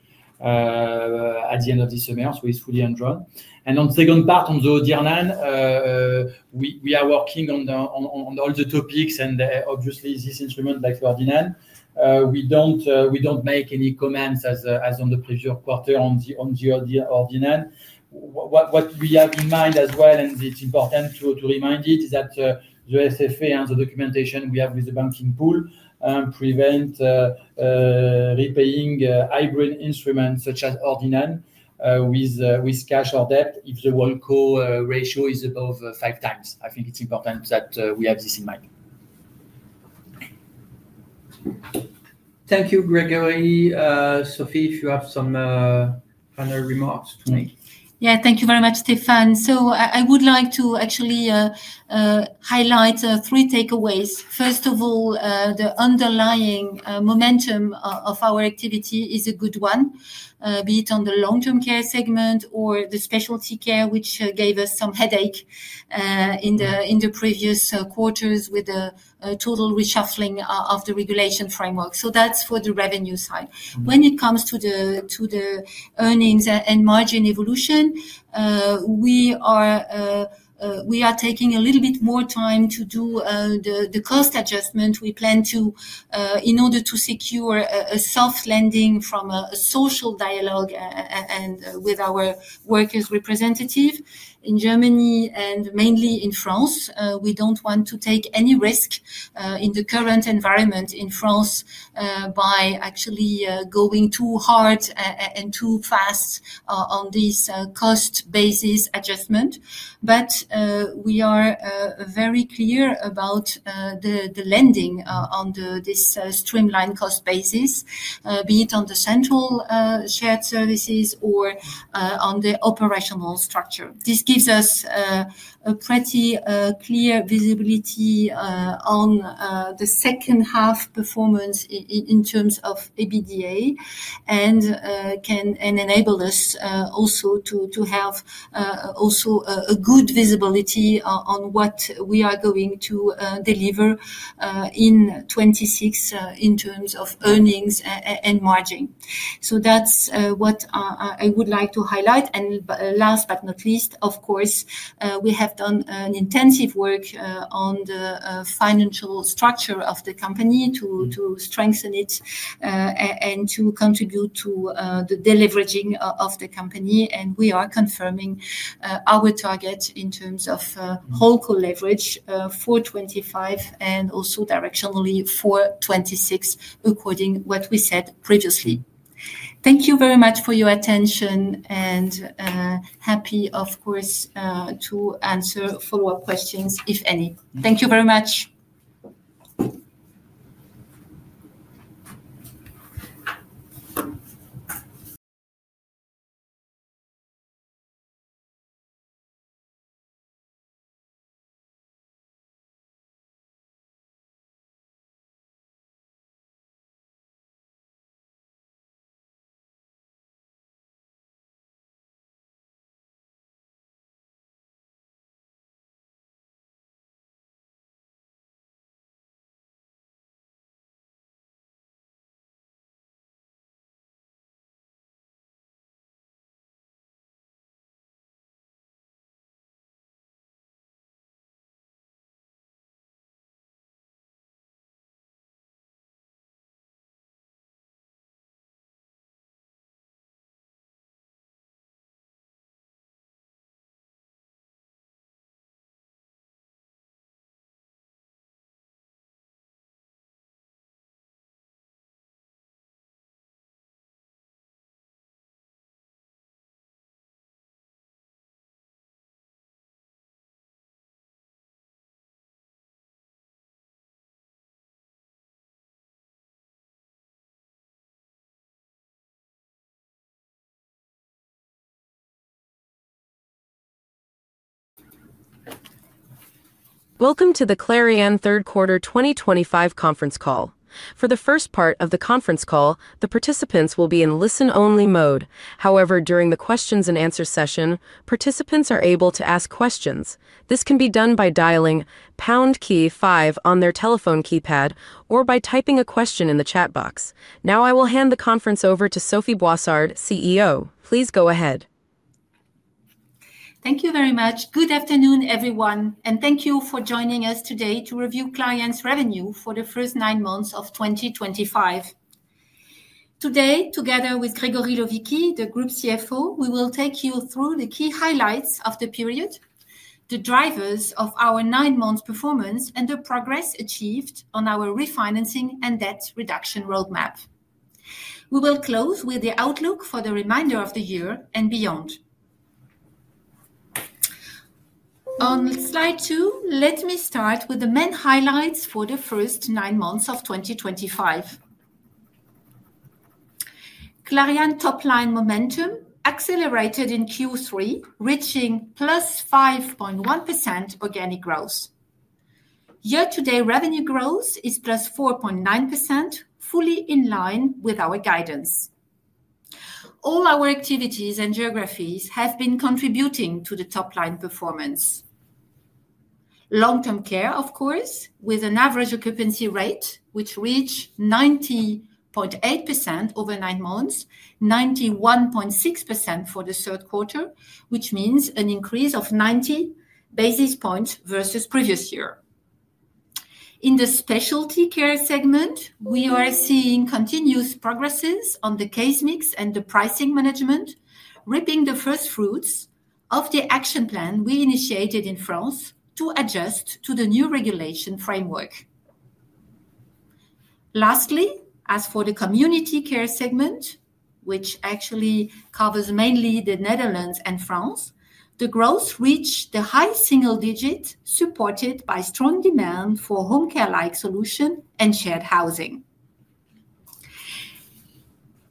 at the end of this summer. It's fully undrawn. On the second part, on the DIRNANE, we are working on all the topics. Obviously, this instrument, like DIRNANE, we don't make any comments as on the previous quarter on the DIRNANE. What we have in mind as well, and it's important to remind it, is that the SFA and the documentation we have with the banking pool prevent repaying hybrid instruments such as DIRNANE with cash or debt wholecore leverage ratio is above 5x. I think it's important that we have this in mind. Thank you, Grégory. Sophie, if you have some final remarks to make. Thank you very much, Stéphane. I would like to actually highlight three takeaways. First of all, the underlying momentum of our activity is a good one, be it on the Long-Term Care segment or the Specialty Care, which gave us some headache in the previous quarters with the total reshuffling of the regulation framework. That's for the revenue side. When it comes to the earnings and margin evolution, we are taking a little bit more time to do the cost adjustment. We plan to, in order to secure a soft landing from a social dialogue and with our workers' representative in Germany and mainly in France, we don't want to take any risk in the current environment in France by actually going too hard and too fast on this cost basis adjustment. We are very clear about the landing on this streamlined cost basis, be it on the central shared services or on the operational structure. This gives us a pretty clear visibility on the second half performance in terms of EBITDA and can enable us also to have a good visibility on what we are going to deliver in 2026 in terms of earnings and margin. That's what I would like to highlight. Last but not least, of course, we have done an intensive work on the financial structure of the company to strengthen it and to contribute to the deleveraging of the company. We are confirming our target in terms wholecore leverage for 2025 and also directionally for 2026, according to what we said previously. Thank you very much for your attention and happy, of course, to answer follow-up questions if any. Thank you very much. Welcome to the Clariane third quarter 2025 conference call. For the first part of the conference call, the participants will be in listen-only mode. However, during the questions and answers session, participants are able to ask questions. This can be done by dialing pound key five on their telephone keypad or by typing a question in the chat box. Now I will hand the conference over to Sophie Boissard, CEO. Please go ahead. Thank you very much. Good afternoon, everyone, and thank you for joining us today to review Clariane's revenue for the first nine months of 2025. Today, together with Grégory Lovichi, the Group CFO, we will take you through the key highlights of the period, the drivers of our nine-month performance, and the progress achieved on our refinancing and debt reduction roadmap. We will close with the outlook for the remainder of the year and beyond. On slide two, let me start with the main highlights for the first nine months of 2025. Clariane's top-line momentum accelerated in Q3, reaching +5.1% organic growth. Year-to-date revenue growth is +4.9%, fully in line with our guidance. All our activities and geographies have been contributing to the top-line performance. Long-Term Care, of course, with an average occupancy rate which reached 90.8% over nine months, 91.6% for the third quarter, which means an increase of 90 basis points versus the previous year. In the Specialty Care segment, we are seeing continuous progress on the case mix and the pricing management, reaping the first fruits of the action plan we initiated in France to adjust to the new regulation framework. Lastly, as for the Community Care segment, which actually covers mainly the Netherlands and France, the growth reached the high single digit supported by strong demand for Home Care-like solutions and Shared Housing.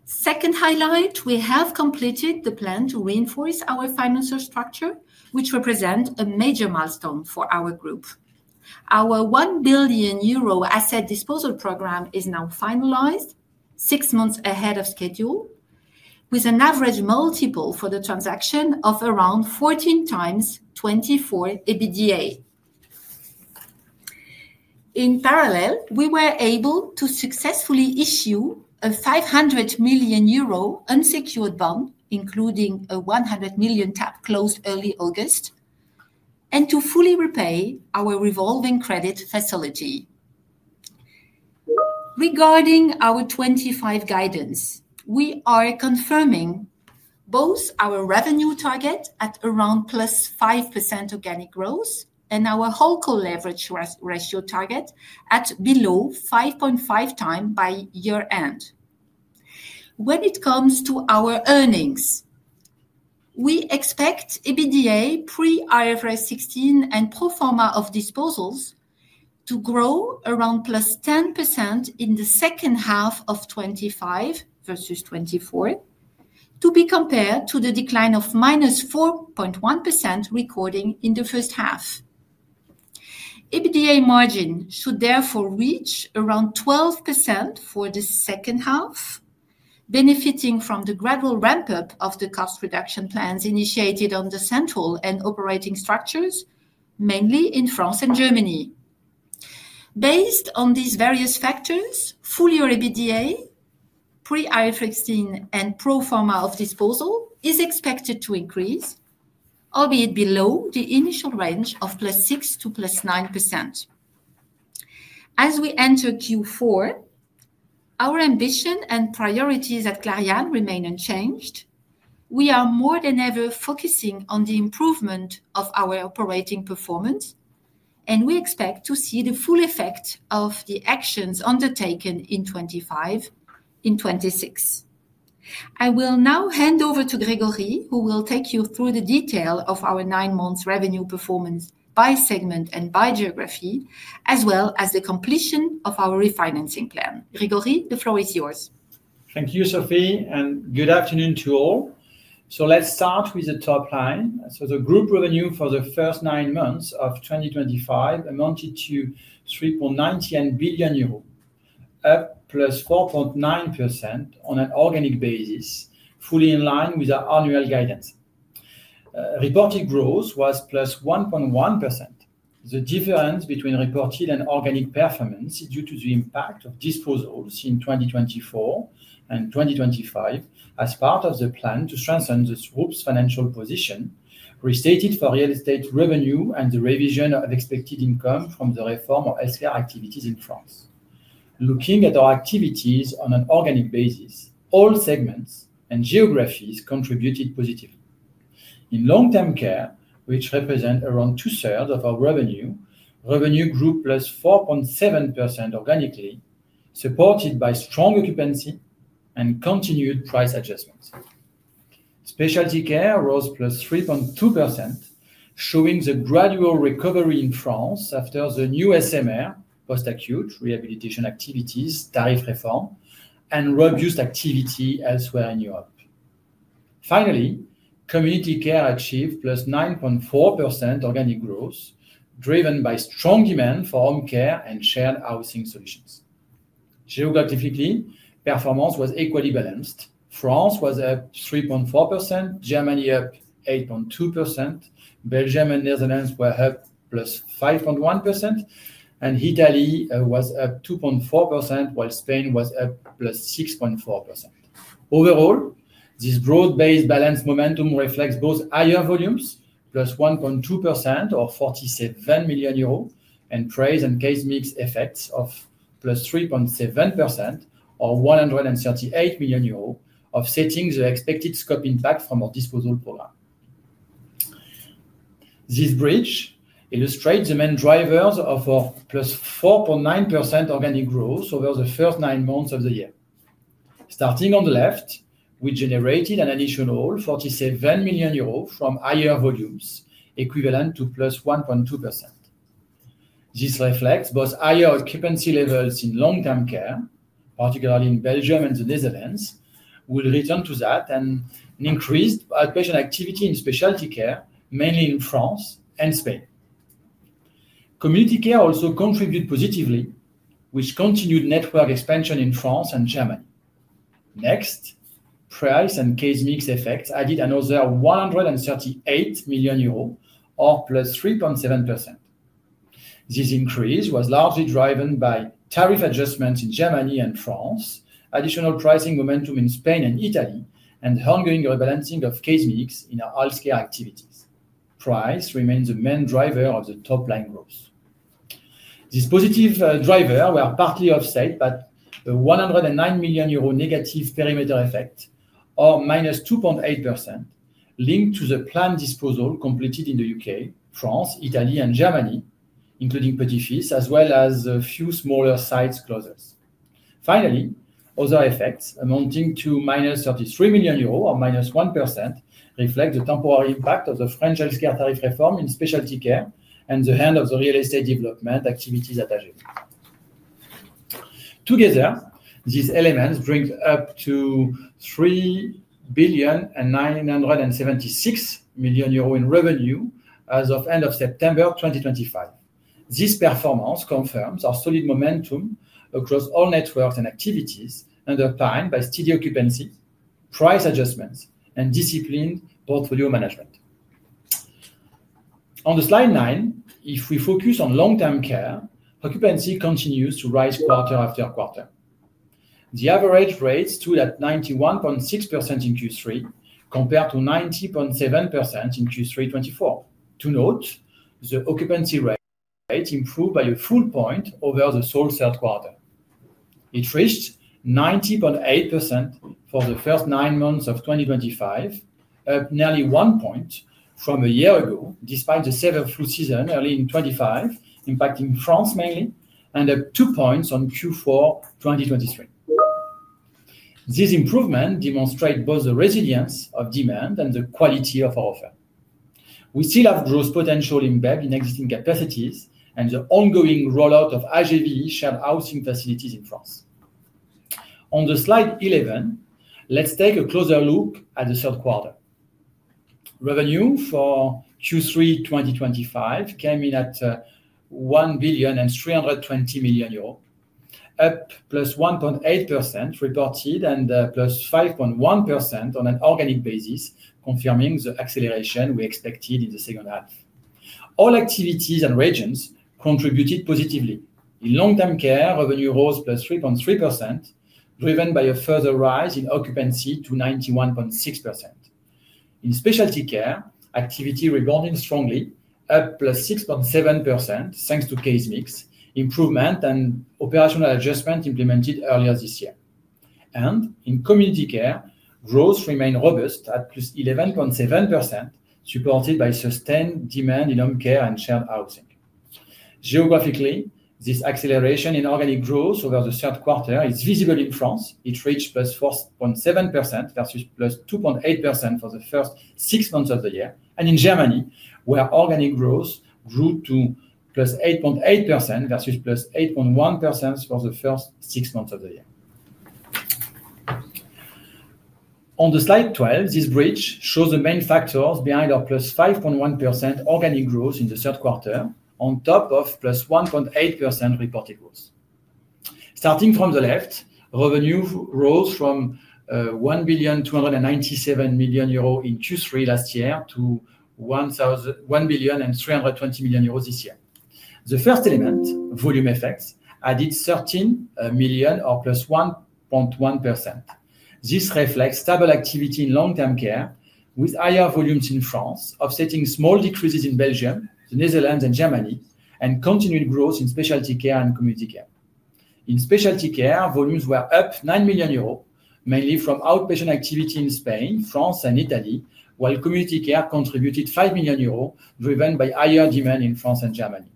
Second highlight, we have completed the plan to reinforce our financial structure, which represents a major milestone for our group. Our 1 billion euro asset disposal program is now finalized, six months ahead of schedule, with an average multiple for the transaction of around 142024 EBITDA. In parallel, we were able to successfully issue a 500 million euro unsecured bond, including a 100 million tap closed early August, and to fully repay our revolving credit facility. Regarding our 2025 guidance, we are confirming both our revenue target at around +5% organic growth and wholecore leverage ratio target at below 5.5x by year-end. When it comes to our earnings, we expect EBITDA pre-IFRS 16 and pro forma of disposals to grow around +10% in the second half of 2025 versus 2024, to be compared to the decline of -4.1% recorded in the first half. EBITDA margin should therefore reach around 12% for the second half, benefiting from the gradual ramp-up of the cost reduction plans initiated on the central and operating structures, mainly in France and Germany. Based on these various factors, fully EBITDA pre-IFRS 16 and pro forma of disposals is expected to increase, albeit below the initial range of +6% to +9%. As we enter Q4, our ambition and priorities at Clariane remain unchanged. We are more than ever focusing on the improvement of our operating performance, and we expect to see the full effect of the actions undertaken in 2025. I will now hand over to Grégory, who will take you through the detail of our nine-month revenue performance by segment and by geography, as well as the completion of our refinancing plan. Grégory, the floor is yours. Thank you, Sophie, and good afternoon to all. Let's start with the top line. The group revenue for the first nine months of 2025 amounted to 3.99 billion euros, up +4.9% on an organic basis, fully in line with our annual guidance. Reported growth was 1.1%. The difference between reported and organic performance is due to the impact of disposals in 2024 and 2025 as part of the plan to strengthen the group's financial position, restated for real estate revenue and the revision of expected income from the reform of healthcare activities in France. Looking at our activities on an organic basis, all segments and geographies contributed positively. In Long-Term Care, which represents around 2/3 of our revenue, revenue grew +4.7% organically, supported by strong occupancy and continued price adjustments. Specialty Care rose +3.2%, showing the gradual recovery in France after the new SMR, post-acute rehabilitation activities, tariff reform, and road-used activity elsewhere in Europe. Finally, Community Care achieved +9.4% organic growth, driven by strong demand for Home Care Shared Housing Solutions. geographically, performance was equally balanced. France was up 3.4%, Germany up 8.2%, Belgium and Netherlands were up +5.1%, and Italy was up 2.4%, while Spain was up +6.4%. Overall, this broad-based balanced momentum reflects both higher volumes, +1.2% or 47 million euros, and price and case mix effects of +3.7% or 138 million euros offsetting the expected scope impact from our asset disposal program. This bridge illustrates the main drivers of our +4.9% organic growth over the first nine months of the year. Starting on the left, we generated an additional 47 million euros from higher volumes, equivalent to +1.2%. This reflects both higher occupancy levels in Long-Term Care, particularly in Belgium and the Netherlands. We'll return to that, and an increased outpatient activity in Specialty Care, mainly in France and Spain. Community Care also contributed positively with continued network expansion in France and Germany. Next, price and case mix effects added another 138 million euros or +3.7%. This increase was largely driven by tariff adjustments in Germany and France, additional pricing momentum in Spain and Italy, and ongoing rebalancing of case mix in our healthcare activities. Price remains the main driver of the top-line growth. This positive driver, we are partly offset by a 109 million euro negative perimeter effect, or -2.8%, linked to the planned disposal completed in the U.K., France, Italy, and Germany, including Petit-Fis, as well as a few smaller site closures. Finally, other effects amounting to -33 million euros or -1% reflect the temporary impact of the French healthcare tariff reform in Specialty Care and the end of the real estate development activities attached. Together, these elements bring up to 3,976 billion in revenue as of the end of September 2025. This performance confirms our solid momentum across all networks and activities, underpinned by steady occupancy, price adjustments, and disciplined portfolio management. On slide nine, if we focus on Long-Term Care, occupancy continues to rise quarter after quarter. The average rates stood at 91.6% in Q3, compared to 90.7% in Q3 2024. To note, the occupancy rate improved by a full point over the sole third quarter. It reached 90.8% for the first nine months of 2025, up nearly one point from a year ago, despite the seventh flu season early in 2025, impacting France mainly, and up two points on Q4 2023. This improvement demonstrates both the resilience of demand and the quality of our offer. We still have growth potential embedded in existing capacities and the ongoing rollout of IGV Shared Housing facilities in France. On slide 11, let's take a closer look at the third quarter. Revenue for Q3 2025 came in at 1,320 billion, up +1.8% reported and +5.1% on an organic basis, confirming the acceleration we expected in the second half. All activities and regions contributed positively. In Long-Term Care, revenue rose +3.3%, driven by a further rise in occupancy to 91.6%. In Specialty Care, activity rebounded strongly, up +6.7% thanks to case mix improvement and operational adjustment implemented earlier this year. In Community Care, growth remained robust at +11.7%, supported by sustained demand in Home Care and Shared Housing. Geographically, this acceleration in organic growth over the third quarter is visible in France. It reached +4.7% versus +2.8% for the first six months of the year. In Germany, organic growth grew to +8.8% versus +8.1% for the first six months of the year. On slide 12, this bridge shows the main factors behind our +5.1% organic growth in the third quarter, on top of +1.8% reported growth. Starting from the left, revenue rose from 1,297 billion in Q3 last year to 1,320 billion this year. The first element, volume effects, added 13 million or +1.1%. This reflects stable activity in Long-Term Care with higher volumes in France, offsetting small decreases in Belgium, the Netherlands, and Germany, and continued growth in Specialty Care and Community Care. In Specialty Care, volumes were up 9 million euros, mainly from outpatient activity in Spain, France, and Italy, while Community Care contributed 5 million euros, driven by higher demand in France and Germany.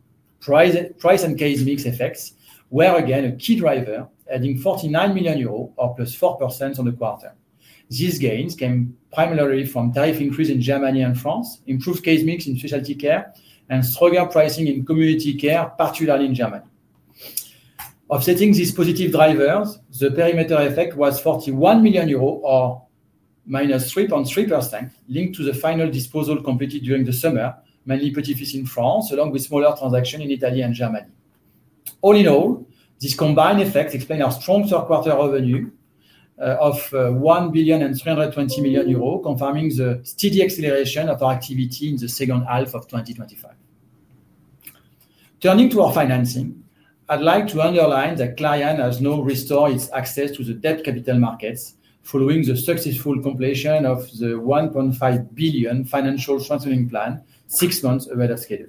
Price and case mix effects were again a key driver, adding 49 million euros or +4% on the quarter. These gains came primarily from tariff increases in Germany and France, improved case mix in Specialty Care, and stronger pricing in Community Care, particularly in Germany. Offsetting these positive drivers, the perimeter effect was 41 million euros or -3.3% linked to the final disposal completed during the summer, mainly Petit-Fils in France, along with smaller transactions in Italy and Germany. All-in-all, this combined effect explains our strong third-quarter revenue of 1,320 billion, confirming the steady acceleration of our activity in the second half of 2025. Turning to our financing, I'd like to underline that Clariane has now restored its access to the debt capital markets following the successful completion of the 1.5 billion financial strengthening plan six months ahead of schedule.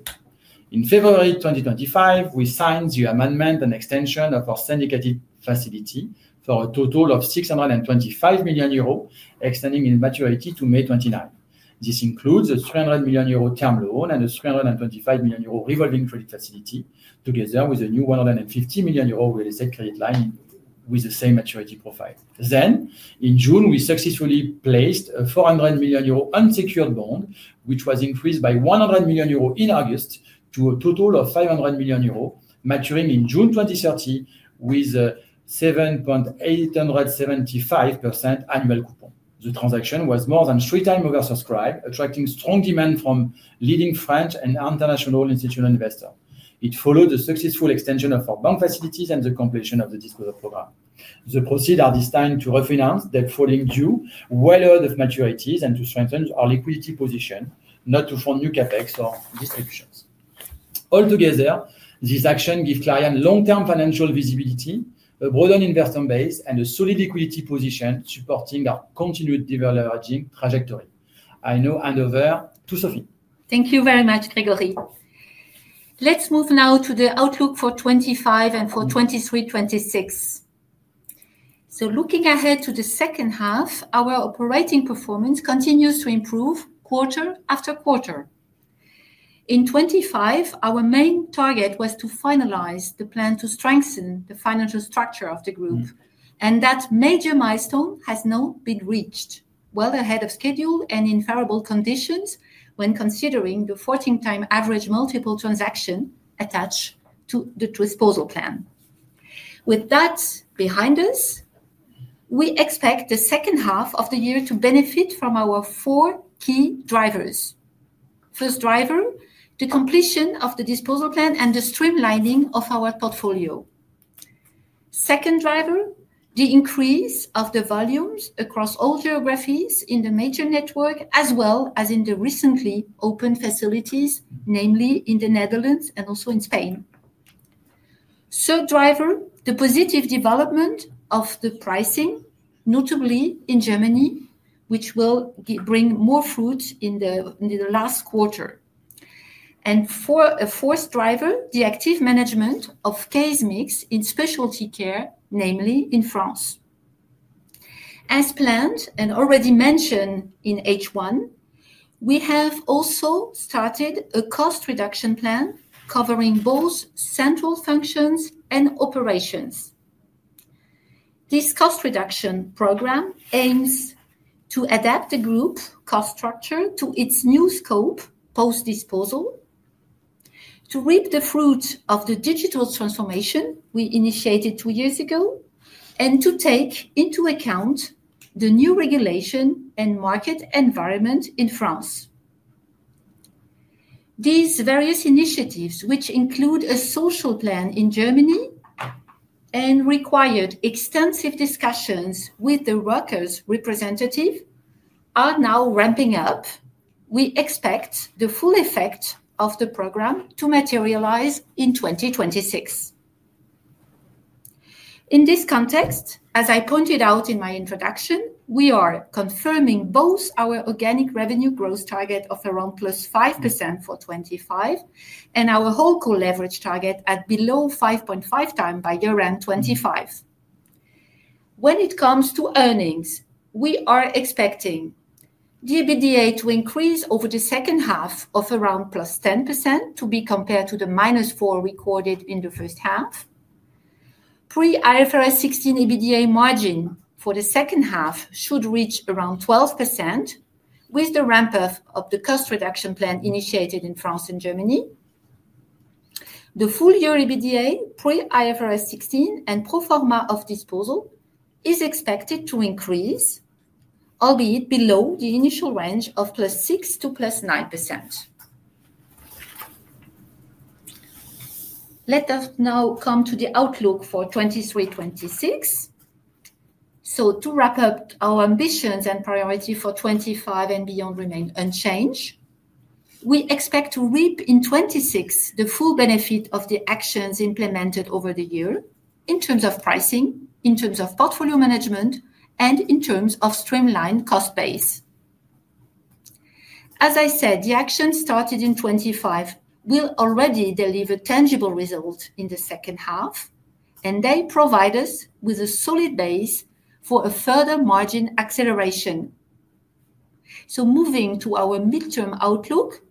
In February 2025, we signed the amendment and extension of our syndicated facility for a total of 625 million euros, extending its maturity to May 2029. This includes a 300 million euro term loan and a 325 million euro revolving credit facility, together with a new 150 million euro real estate credit line with the same maturity profile. In June, we successfully placed a 400 million euro unsecured bond, which was increased by 100 million euro in August to a total of 500 million euro, maturing in June 2030 with a 7.875% annual coupon. The transaction was more than 3x oversubscribed, attracting strong demand from leading French and international institutional investors. It followed the successful extension of our bank facilities and the completion of the asset disposal program. The proceeds are destined to refinance debt falling due, well out of maturities, and to strengthen our liquidity position, not to form new CapEx or district. Together, this action gives Clariane long-term financial visibility, a broadened investment base, and a solid equity position supporting our continued diverging trajectory. I now hand over to Sophie. Thank you very much, Grégory. Let's move now to the outlook for 2025 and for 2023, 2026. Looking ahead to the second half, our operating performance continues to improve quarter-after-quarter. In 2025, our main target was to finalize the plan to strengthen the financial structure of the group, and that major milestone has now been reached, well ahead of schedule and in favorable conditions when considering the 14x average multiple transaction attached to the disposal plan. With that behind us, we expect the second half of the year to benefit from our four key drivers. First driver, the completion of the disposal plan and the streamlining of our portfolio. Second driver, the increase of the volumes across all geographies in the major network, as well as in the recently opened facilities, namely in the Netherlands and also in Spain. Third driver, the positive development of the pricing, notably in Germany, which will bring more fruits in the last quarter. Fourth driver, the active management of case mix in Specialty Care, namely in France. As planned and already mentioned in H1, we have also started a cost reduction plan covering both central functions and operations. This cost reduction program aims to adapt the group cost structure to its new scope, post-disposal, to reap the fruits of the digital transformation we initiated two years ago, and to take into account the new regulation and market environment in France. These various initiatives, which include a social plan in Germany and required extensive discussions with the workers' representative, are now ramping up. We expect the full effect of the program to materialize in 2026. In this context, as I pointed out in my introduction, we are confirming both our organic revenue growth target of around +5% for 2025 and wholecore leverage target at below 5.5x by year-end 2025. When it comes to earnings, we are expecting the EBITDA to increase over the second half of around +10% to be compared to the -4% recorded in the first half. Pre-IFRS 16 EBITDA margin for the second half should reach around 12% with the ramp-up of the cost reduction plan initiated in France and Germany. The full-year EBITDA pre-IFRS 16 and pro forma of disposal is expected to increase, albeit below the initial range of +6% to +9%. Let us now come to the outlook for 2023, 2026. To wrap up, our ambitions and priorities for 2025 and beyond remain unchanged. We expect to reap in 2026 the full benefit of the actions implemented over the year in terms of pricing, in terms of portfolio management, and in terms of streamlined cost base. As I said, the actions started in 2025 will already deliver tangible results in the second half, and they provide us with a solid base for a further margin acceleration. Moving to our mid-term outlook,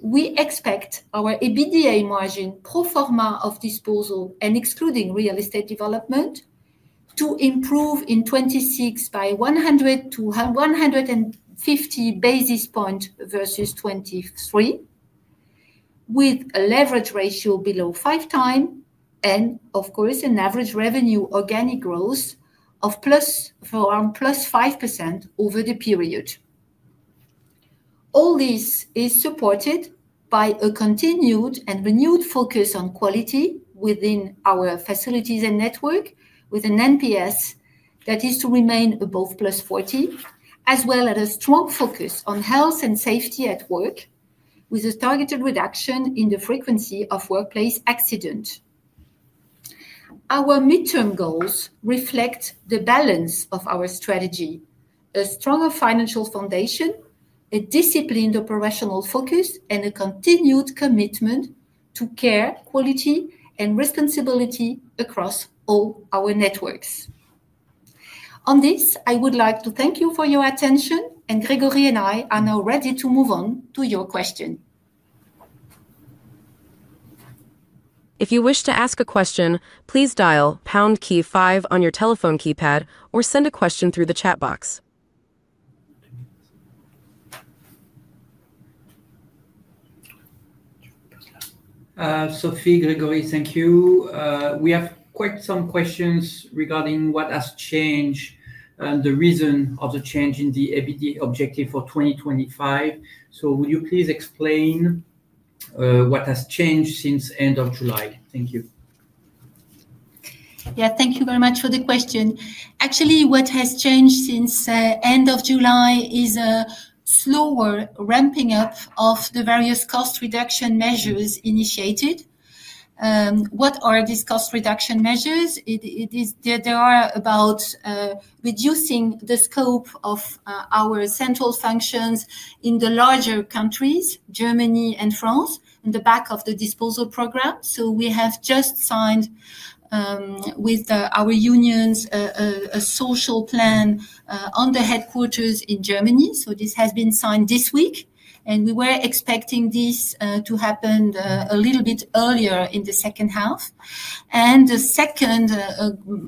we expect our EBITDA margin pro forma of disposals and excluding real estate development to improve in 2026 by 100-150 basis points versus 2023, with a leverage ratio below 5x and, of course, an average organic revenue growth of around +5% over the period. All this is supported by a continued and renewed focus on quality within our facilities and network, with an NPS that is to remain above +40, as well as a strong focus on health and safety at work, with a targeted reduction in the frequency of workplace accidents. Our mid-term goals reflect the balance of our strategy: a stronger financial foundation, a disciplined operational focus, and a continued commitment to care, quality, and responsibility across all our networks. I would like to thank you for your attention, and Grégory and I are now ready to move on to your question. If you wish to ask a question, please dial pound key five on your telephone keypad or send a question through the chat box. Sophie, Grégory, thank you. We have quite some questions regarding what has changed and the reason of the change in the EBITDA objective for 2025. Would you please explain what has changed since the end of July? Thank you. Thank you very much for the question. Actually, what has changed since the end of July is a slower ramping up of the various cost reduction measures initiated. What are these cost reduction measures? They are about reducing the scope of our central functions in the larger countries, Germany and France, on the back of the asset disposal program. We have just signed with our unions a social plan on the headquarters in Germany. This has been signed this week, and we were expecting this to happen a little bit earlier in the second half. The second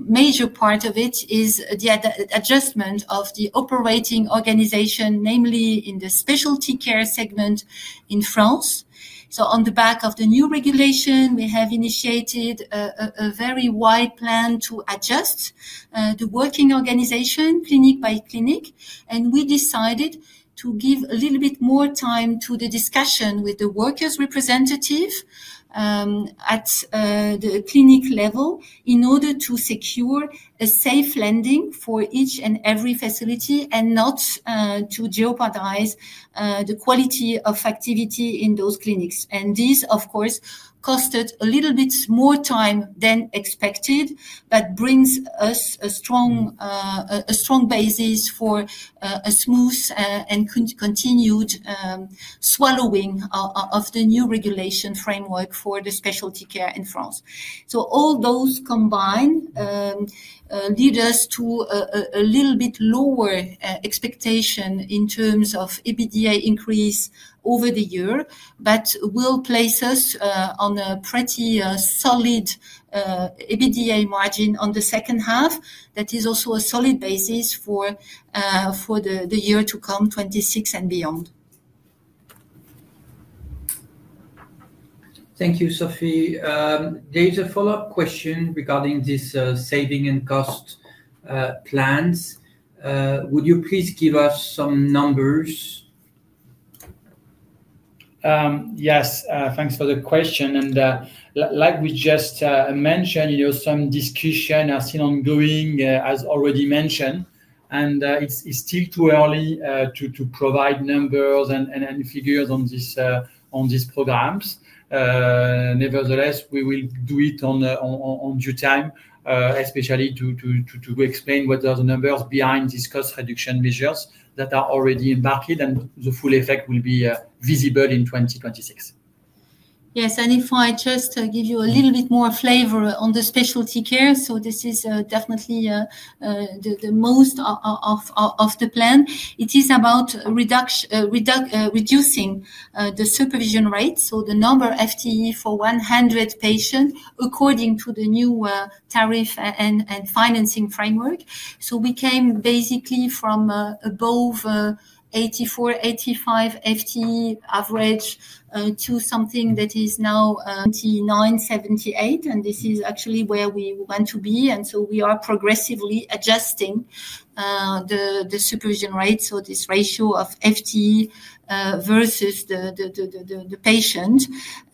major part of it is the adjustment of the operating organization, namely in the Specialty Care segment in France. On the back of the new regulation, we have initiated a very wide plan to adjust the working organization clinic-by-clinic, and we decided to give a little bit more time to the discussion with the workers' representative at the clinic level in order to secure a safe landing for each and every facility and not to jeopardize the quality of activity in those clinics. This, of course, cost a little bit more time than expected, but brings us a strong basis for a smooth and continued swallowing of the new regulation framework for the Specialty Care in France. All those combined lead us to a little bit lower expectation in terms of EBITDA increase over the year, but will place us on a pretty solid EBITDA margin on the second half that is also a solid basis for the year to come, 2026 and beyond. Thank you, Sophie. There is a follow-up question regarding these saving and cost plans. Would you please give us some numbers? Yes, thanks for the question. Like we just mentioned, some discussions are still ongoing, as already mentioned, and it's still too early to provide numbers and figures on these programs. Nevertheless, we will do it in due time, especially to explain what are the numbers behind these cost reduction measures that are already embarking, and the full effect will be visible in 2026. Yes, and if I just give you a little bit more flavor on the Specialty Care, this is definitely the most of the plan. It is about reducing the supervision rate, so the number of FTE for 100 patients according to the new tariff and financing framework. We came basically from above 84, 85 FTE average to something that is now 29.78, and this is actually where we want to be. We are progressively adjusting the supervision rate, so this ratio of FTE versus the patient.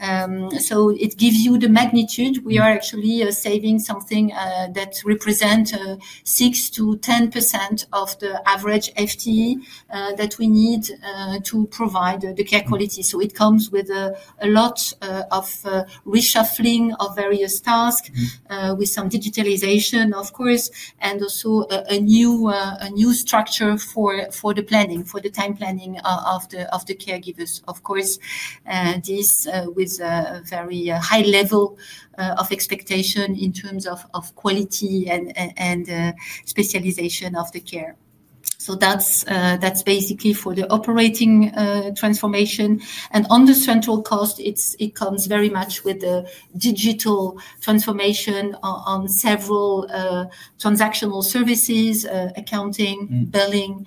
It gives you the magnitude. We are actually saving something that represents 6%-10% of the average FTE that we need to provide the care quality. It comes with a lot of reshuffling of various tasks with some digitalization, of course, and also a new structure for the planning, for the time planning of the caregivers. This comes with a very high level of expectation in terms of quality and specialization of the care. That's basically for the operating transformation. On the central cost, it comes very much with the digital transformation on several transactional services, accounting, billing.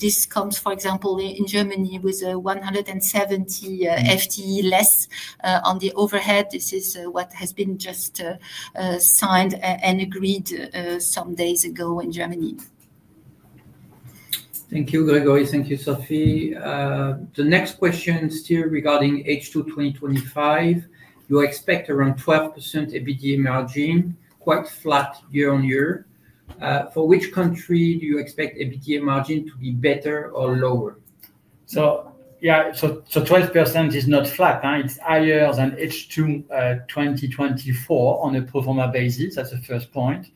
This comes, for example, in Germany with 170 FTE less on the overhead. This is what has been just signed and agreed some days ago in Germany. Thank you, Grégory. Thank you, Sophie. The next question is still regarding H2 2025. You expect around 12% EBITDA margin, quite flat year-on-year. For which country do you expect EBITDA margin to be better or lower? 12% is not flat. It's higher than H2 2024 on a pro forma basis. That's the first point.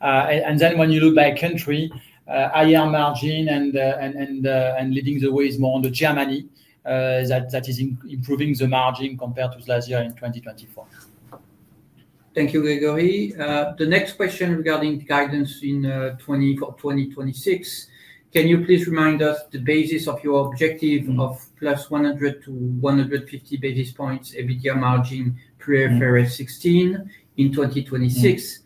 When you look by country, higher margin and leading the way is more on Germany. That is improving the margin compared to last year in 2024. Thank you, Grégory. The next question regarding guidance for 2026. Can you please remind us the basis of your objective of +100 to 150 basis points EBITDA margin pre-IFRS 16 in 2026?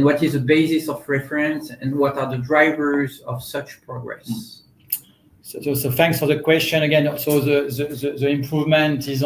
What is the basis of reference and what are the drivers of such progress? Thank you for the question again. The improvement is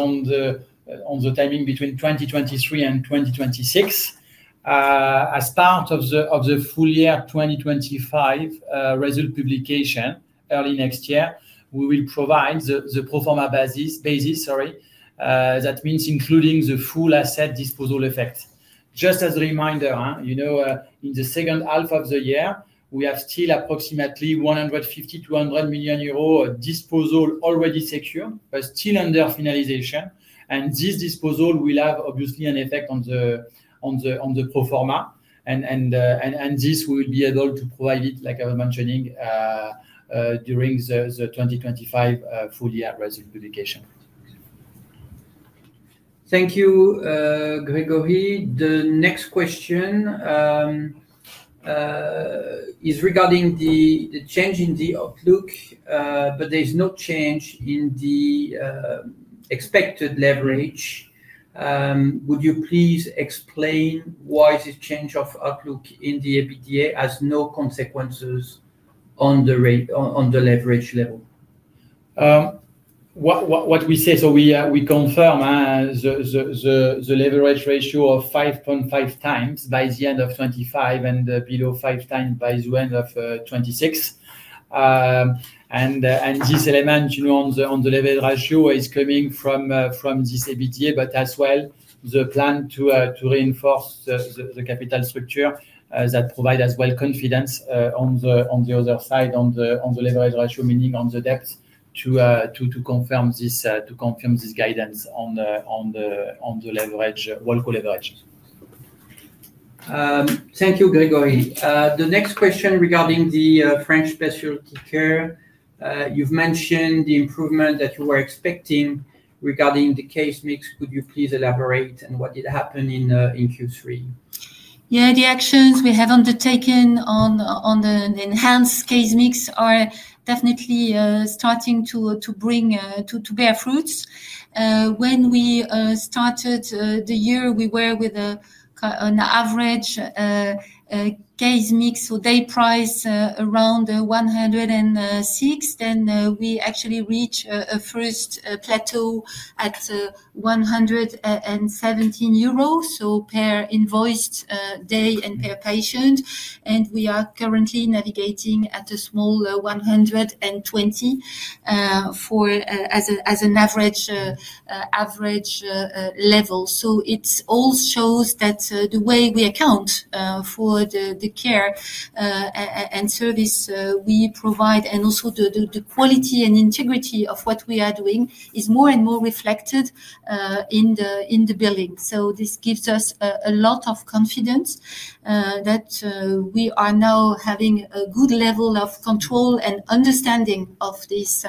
on the timing between 2023 and 2026. As part of the full year 2025 result publication early next year, we will provide the pro forma basis, that means including the full asset disposal effect. Just as a reminder, in the second half of the year, we have still approximately 150 million-100 million euros of disposal already secured, but still under finalization. This disposal will obviously have an effect on the pro forma. We will be able to provide it, like I was mentioning, during the 2025 full year result publication. Thank you, Grégory. The next question is regarding the change in the outlook, but there is no change in the expected leverage. Would you please explain why this change of outlook in the EBITDA has no consequences on the leverage level? We confirm the leverage ratio of 5.5x by the end of 2025 and below 5x by the end of 2026. This element on the leverage ratio is coming from this EBITDA, as well as the plan to reinforce the capital structure that provides confidence on the other side, on the leverage ratio, meaning on the debt to confirm this guidance on the leverage, wholecore leverage. Thank you, Grégory. The next question regarding the French Specialty Care. You've mentioned the improvement that you were expecting regarding the case mix. Could you please elaborate on what did happen in Q3? Yeah, the actions we have undertaken on the enhanced case mix are definitely starting to bear fruit. When we started the year, we were with an average case mix, so day price around 106. Then we actually reached a first plateau at 117 euros, so per invoiced day and per patient. We are currently navigating at a small 120 as an average level. It all shows that the way we account for the care and service we provide and also the quality and integrity of what we are doing is more and more reflected in the billing. This gives us a lot of confidence that we are now having a good level of control and understanding of this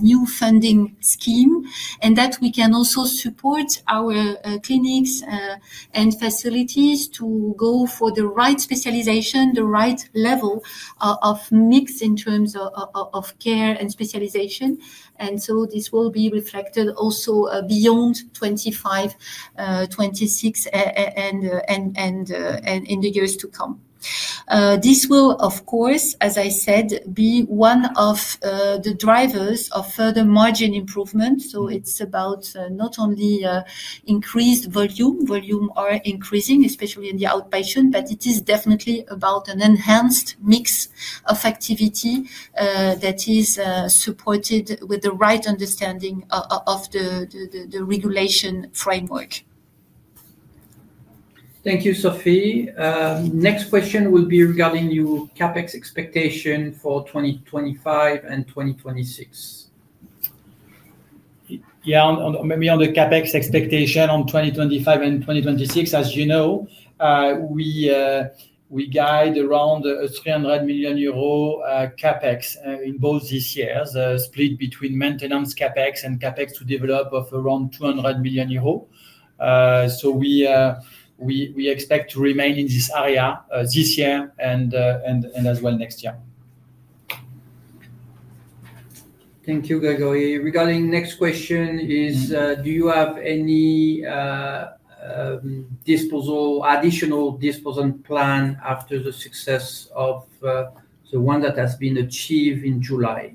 new funding scheme and that we can also support our clinics and facilities to go for the right specialization, the right level of mix in terms of care and specialization. This will be reflected also beyond 2025, 2026, and in the years to come. This will, of course, as I said, be one of the drivers of further margin improvement. It's about not only increased volume. Volumes are increasing, especially in the outpatient, but it is definitely about an enhanced mix of activity that is supported with the right understanding of the regulation framework. Thank you, Sophie. Next question will be regarding your CapEx expectation for 2025 and 2026. Yeah, maybe on the CapEx expectation on 2025 and 2026. As you know, we guide around 300 million euros CapEx in both these years, split between maintenance CapEx and CapEx to develop of around 200 million euro. We expect to remain in this area this year and as well next year. Thank you, Grégory. Regarding the next question, do you have any additional disposal plan after the success of the one that has been achieved in July?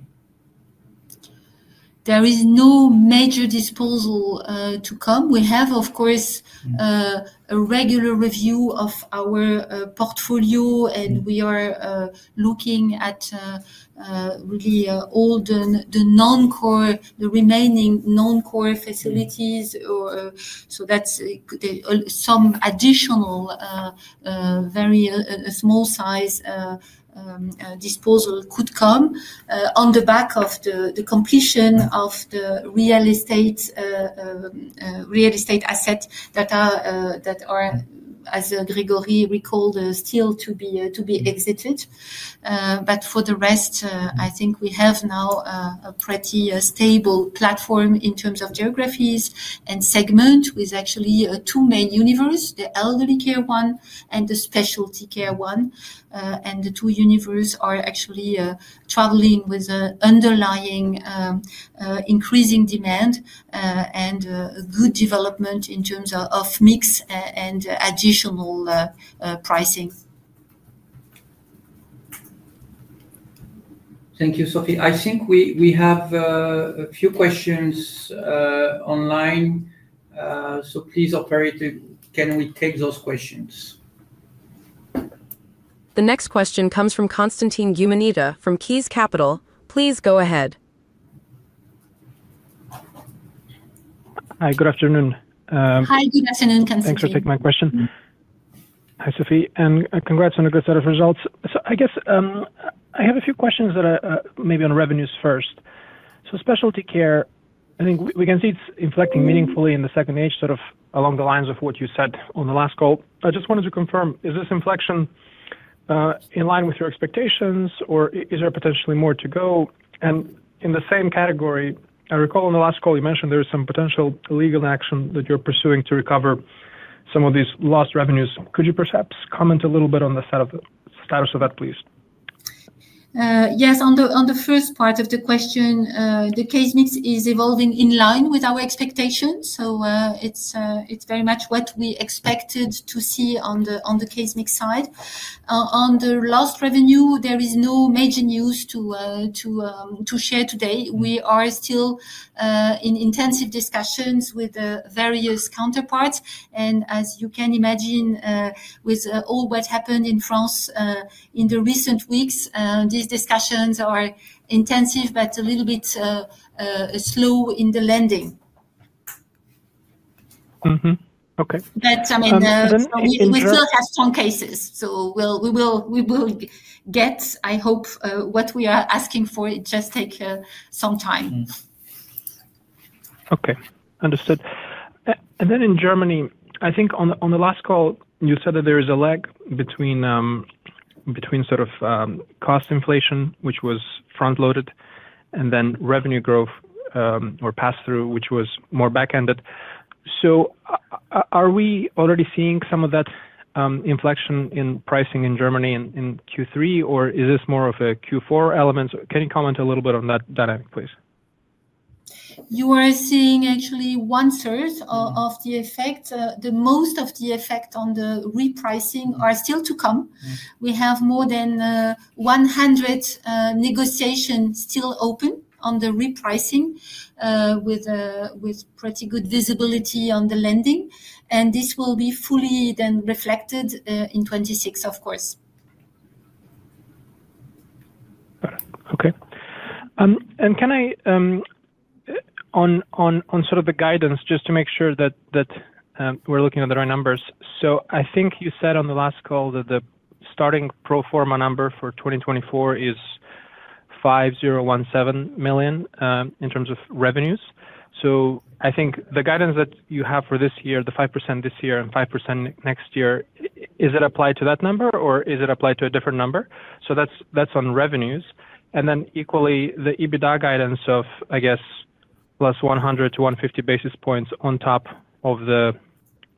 There is no major disposal to come. We have, of course, a regular review of our portfolio and we are looking at really all the non-core, the remaining non-core facilities. Some additional very small-sized disposal could come on the back of the completion of the real estate assets that are, as Grégory recalled, still to be exited. For the rest, I think we have now a pretty stable platform in terms of geographies and segments with actually two main universes, the Elderly Care 1 and the Specialty Care 1. The two universes are actually traveling with an underlying increasing demand and a good development in terms of mix and additional pricing. Thank you, Sophie. I think we have a few questions online. Please, operator, can we take those questions? The next question comes from [Constantine Guimanita] from Keys Capital. Please go ahead. Hi, good afternoon. Hi, good afternoon, [Constantine.] Thanks for taking my question. Hi, Sophie, and congrats on a good set of results. I guess I have a few questions that are maybe on revenues first. Specialty Care, I think we can see it's inflecting meaningfully in the second age, sort of along the lines of what you said on the last call. I just wanted to confirm, is this inflection in line with your expectations or is there potentially more to go? In the same category, I recall on the last call you mentioned there is some potential legal action that you're pursuing to recover some of these lost revenues. Could you perhaps comment a little bit on the status of that, please? Yes, on the first part of the question, the case mix is evolving in line with our expectations. It's very much what we expected to see on the case mix side. On the lost revenue, there is no major news to share today. We are still in intensive discussions with the various counterparts. As you can imagine, with all what happened in France in the recent weeks, these discussions are intensive but a little bit slow in the lending. Okay. We still have some cases, so we will get, I hope, what we are asking for. It just takes some time. Okay, understood. In Germany, I think on the last call you said that there is a lag between sort of cost inflation, which was front-loaded, and then revenue growth or pass-through, which was more back-ended. Are we already seeing some of that inflection in pricing in Germany in Q3, or is this more of a Q4 element? Can you comment a little bit on that dynamic, please? You are seeing actually one-third of the effect. Most of the effect on the repricing is still to come. We have more than 100 negotiations still open on the repricing, with pretty good visibility on the lending. This will be fully then reflected in 2026, of course. Okay. Can I, on the guidance, just to make sure that we're looking at the right numbers? I think you said on the last call that the starting pro forma number for 2024 is 5.017 million in terms of revenues. I think the guidance that you have for this year, the 5% this year and 5% next year, is it applied to that number or is it applied to a different number? That's on revenues. Equally, the EBITDA guidance of, I guess, +100 to 150 basis points on top of the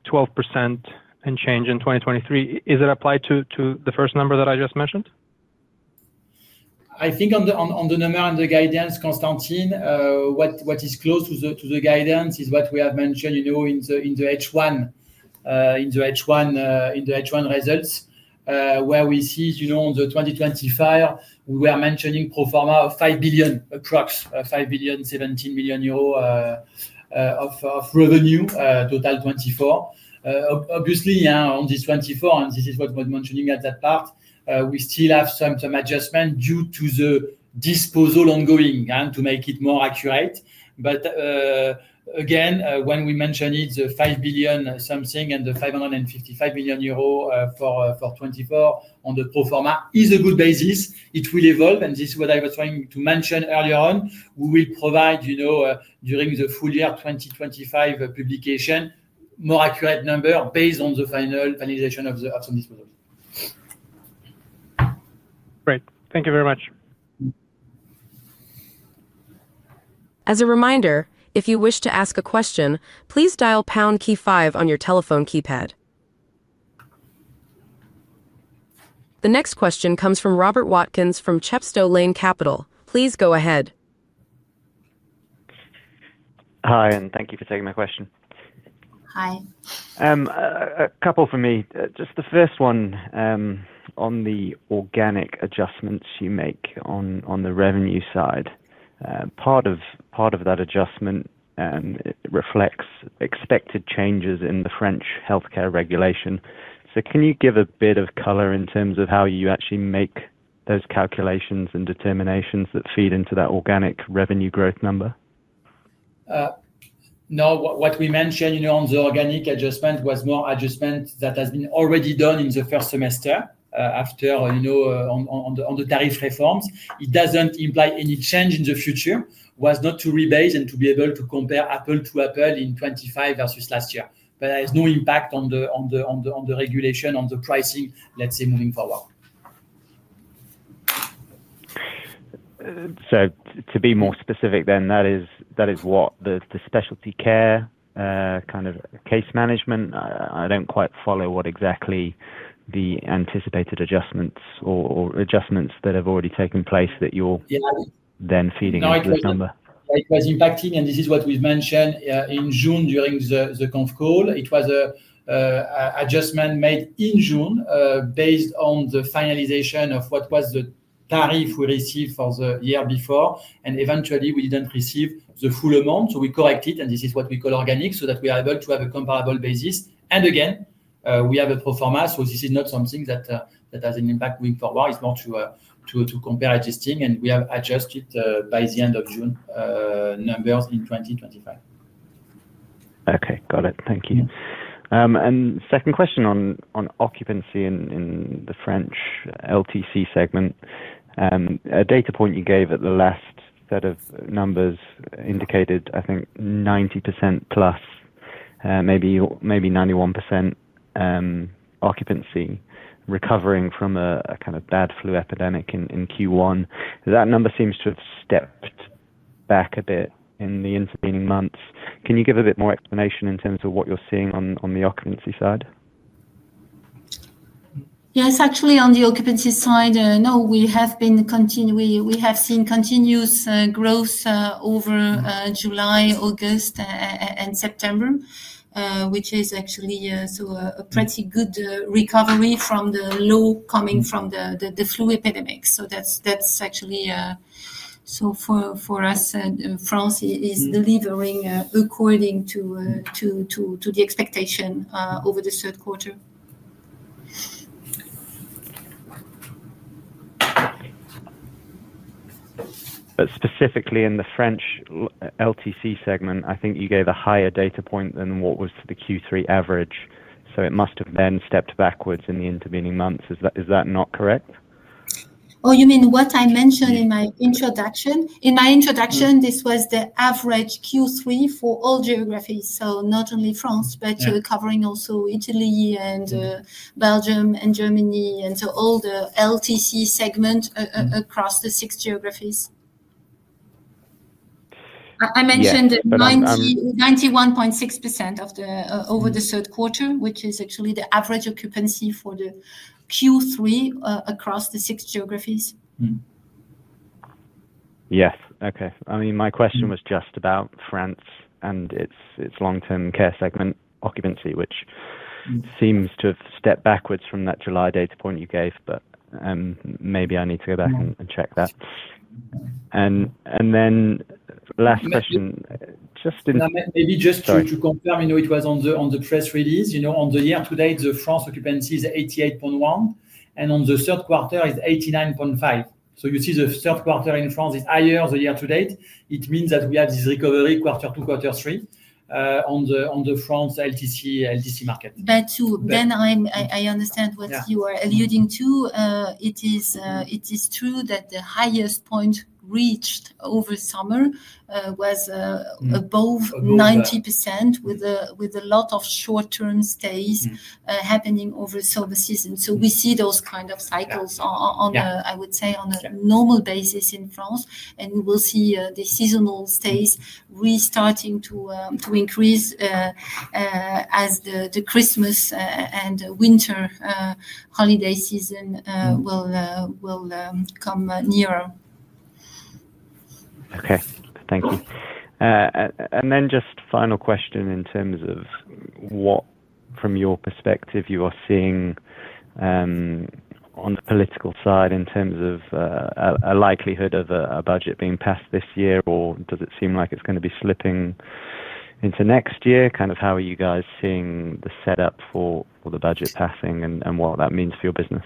12% and change in 2023, is it applied to the first number that I just mentioned? I think on the number and the guidance, [Constantine], what is close to the guidance is what we have mentioned in the H1 results. Where we see on the 2025, we were mentioning pro forma 5 billion, approximately 5.17 million euros of revenue, total 2024. Obviously, on this 2024, and this is what we're mentioning at that part, we still have some adjustment due to the disposal ongoing to make it more accurate. Again, when we mentioned it, the 5 billion something and the 555 million euros for 2024 on the pro forma is a good basis. It will evolve. This is what I was trying to mention earlier on. We will provide, you know, during the full year 2025 publication, a more accurate number based on the finalization of some disposals. Great. Thank you very much. As a reminder, if you wish to ask a question, please dial pound key 5 on your telephone keypad. The next question comes from Robert Watkins from Chepstow Lane Capital. Please go ahead. Hi, and thank you for taking my question. Hi. A couple for me. The first one on the organic adjustments you make on the revenue side. Part of that adjustment reflects expected changes in the French healthcare regulation. Can you give a bit of color in terms of how you actually make those calculations and determinations that feed into that organic revenue growth number? No, what we mentioned on the organic adjustment was more adjustment that has been already done in the first semester after the tariff reforms. It doesn't imply any change in the future. It was not to rebase and to be able to compare apple to apple in 2025 versus last year. It has no impact on the regulation, on the pricing, let's say, moving forward. To be more specific then, that is what the Specialty Care kind of case management, I don't quite follow what exactly the anticipated adjustments or adjustments that have already taken place that you're then feeding into this number. It was impacting, and this is what we've mentioned in June during the conf call. It was an adjustment made in June based on the finalization of what was the tariff we received for the year before. Eventually, we didn't receive the full amount. We corrected it, and this is what we call organic, so that we are able to have a comparable basis. We have a pro forma, so this is not something that has an impact moving forward. It's more to compare existing, and we have adjusted by the end of June numbers in 2025. Okay, got it. Thank you. Second question on occupancy in the French LTC segment. A data point you gave at the last set of numbers indicated, I think, 90%+, maybe 91% occupancy recovering from a kind of bad flu epidemic in Q1. That number seems to have stepped back a bit in the intervening months. Can you give a bit more explanation in terms of what you're seeing on the occupancy side? Yes, actually, on the occupancy side, no, we have been continuing, we have seen continuous growth over July, August, and September, which is actually a pretty good recovery from the low coming from the flu epidemic. That's actually, for us, France is delivering according to the expectation over the third quarter. Specifically in the French LTC segment, I think you gave a higher data point than what was the Q3 average. It must have then stepped backwards in the intervening months. Is that not correct? Oh, you mean what I mentioned in my introduction? In my introduction, this was the average Q3 for all geographies, so not only France, but covering also Italy and Belgium and Germany and all the LTC segment across the six geographies. I mentioned 91.6% over the third quarter, which is actually the average occupancy for the Q3 across the six geographies. Yes, okay. I mean, my question was just about France and its Long-Term Care segment occupancy, which seems to have stepped backwards from that July data point you gave, but maybe I need to go back and check that. Last question, just in. Maybe just to confirm, it was on the press release. You know, on the year-to-date, the France occupancy is 88.1%, and on the third quarter, it's 89.5%. You see the third quarter in France is higher than the year-to-date. It means that we have this recovery quarter two, quarter three on the France LTC market. I understand what you are alluding to. It is true that the highest point reached over summer was above 90% with a lot of short-term stays happening over the summer season. We see those kinds of cycles, I would say, on a normal basis in France, and we will see the seasonal stays restarting to increase as the Christmas and winter holiday season will come nearer. Okay, thank you. Just final question in terms of what, from your perspective, you are seeing on the political side in terms of a likelihood of a budget being passed this year, or does it seem like it's going to be slipping into next year? How are you guys seeing the setup for the budget passing and what that means for your business?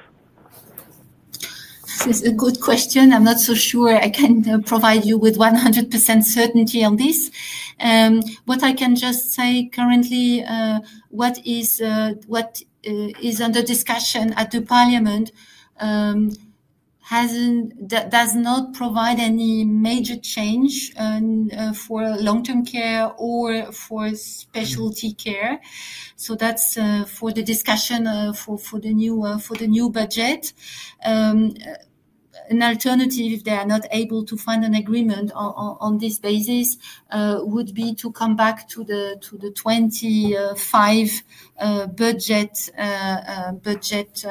It's a good question. I'm not so sure I can provide you with 100% certainty on this. What I can just say currently, what is under discussion at the Parliament does not provide any major change for Long-Term Care or for Specialty Care. That's for the discussion for the new budget. An alternative, if they are not able to find an agreement on this basis, would be to come back to the 2025 budget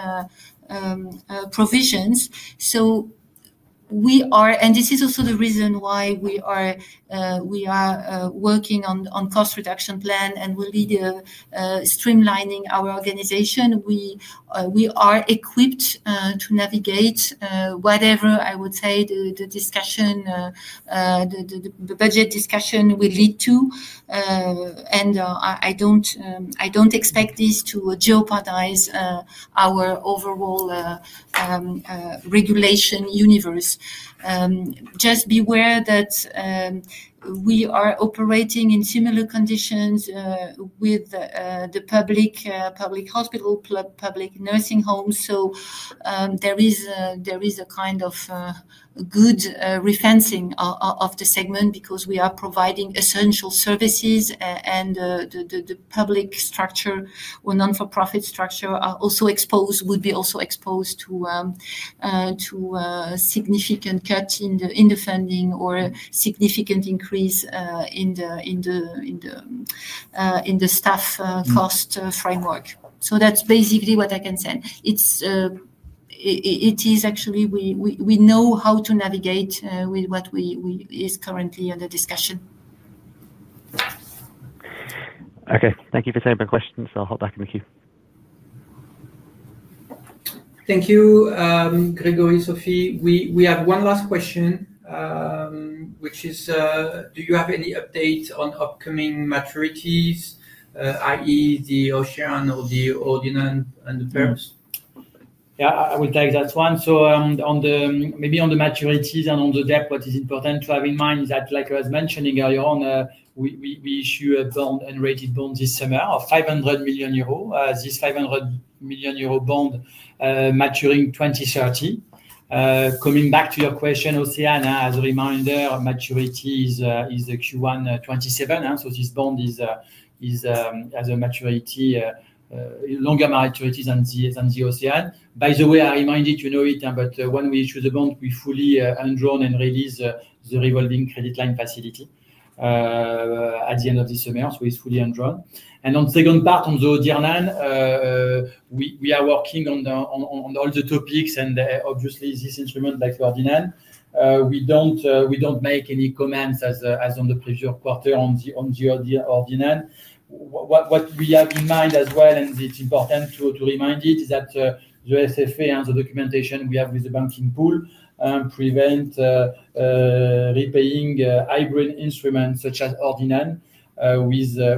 provisions. We are, and this is also the reason why we are working on a cost reduction plan and will be streamlining our organization. We are equipped to navigate whatever, I would say, the discussion, the budget discussion will lead to. I don't expect this to jeopardize our overall regulation universe. Just be aware that we are operating in similar conditions with the public hospital, public nursing homes. There is a kind of good referencing of the segment because we are providing essential services, and the public structure or non-for-profit structure are also exposed, would be also exposed to significant cuts in the funding or significant increase in the staff cost framework. That's basically what I can say. We know how to navigate with what is currently under discussion. Okay, thank you for taking my questions. I'll hop back in the queue. Thank you, Grégory, Sophie. We have one last question, which is, do you have any updates on upcoming maturities, i.e., the OCEANE or the DIRNANE and the PERPS? Yeah, I would take that one. Maybe on the maturities and on the debt, what is important to have in mind is that, like I was mentioning earlier on, we issue a bond and rated bond this summer of 500 million euro. This 500 million euro bond is maturing in 2030. Coming back to your question, OCEANE, as a reminder, maturity is Q1 2027. This bond has a longer maturity than the OCEANE. By the way, I remind you to know it, but when we issue the bond, we fully undraw and release the revolving credit facility at the end of this summer. It's fully undrawn. On the second part, on the DIRNANE, we are working on all the topics, and obviously, this instrument, like the DIRNANE, we don't make any comments as on the previous quarter on the DIRNANE. What we have in mind as well, and it's important to remind it, is that the SFA and the documentation we have with the banking pool prevent repaying hybrid instruments such as DIRNANE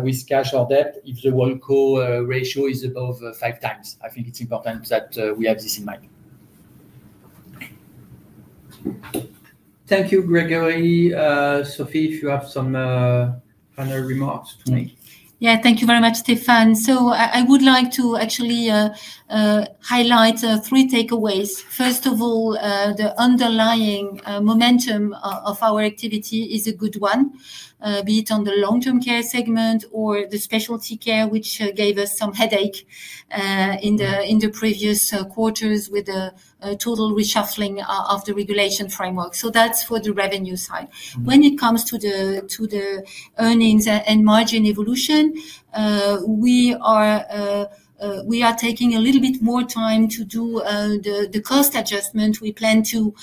with cash or debt wholecore leverage ratio is above 5x. I think it's important that we have this in mind. Thank you, Grégory. Sophie, if you have some final remarks to make. Thank you very much, Stéphane. I would like to actually highlight three takeaways. First of all, the underlying momentum of our activity is a good one, be it on the Long-Term Care segment or the Specialty Care, which gave us some headache in the previous quarters with the total reshuffling of the regulation framework. That's for the revenue side. When it comes to the earnings and margin evolution, we are taking a little bit more time to do the cost adjustment. We plan to,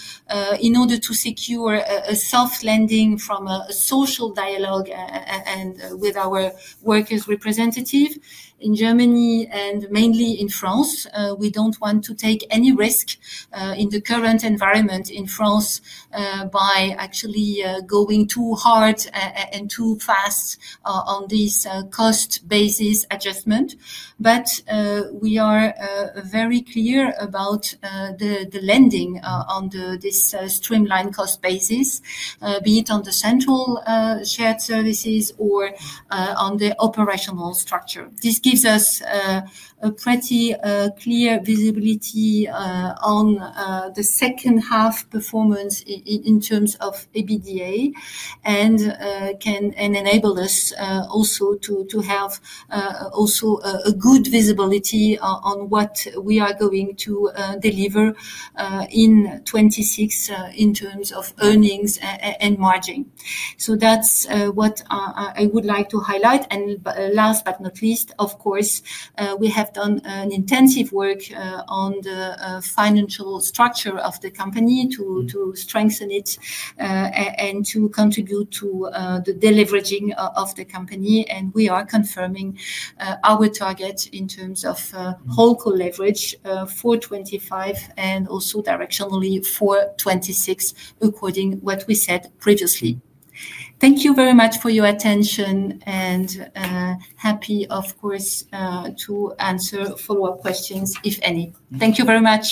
in order to secure a soft landing from a social dialogue and with our workers' representative in Germany and mainly in France, we don't want to take any risk in the current environment in France by actually going too hard and too fast on this cost basis adjustment. We are very clear about the landing on this streamlined cost basis, be it on the central shared services or on the operational structure. This gives us a pretty clear visibility on the second half performance in terms of EBITDA and can enable us also to have a good visibility on what we are going to deliver in 2026 in terms of earnings and margin. That's what I would like to highlight. Last but not least, of course, we have done an intensive work on the financial structure of the company to strengthen it and to contribute to the deleveraging of the company. We are confirming our target in terms wholecore leverage for 2025 and also directionally for 2026, according to what we said previously. Thank you very much for your attention and happy, of course, to answer follow-up questions if any. Thank you very much.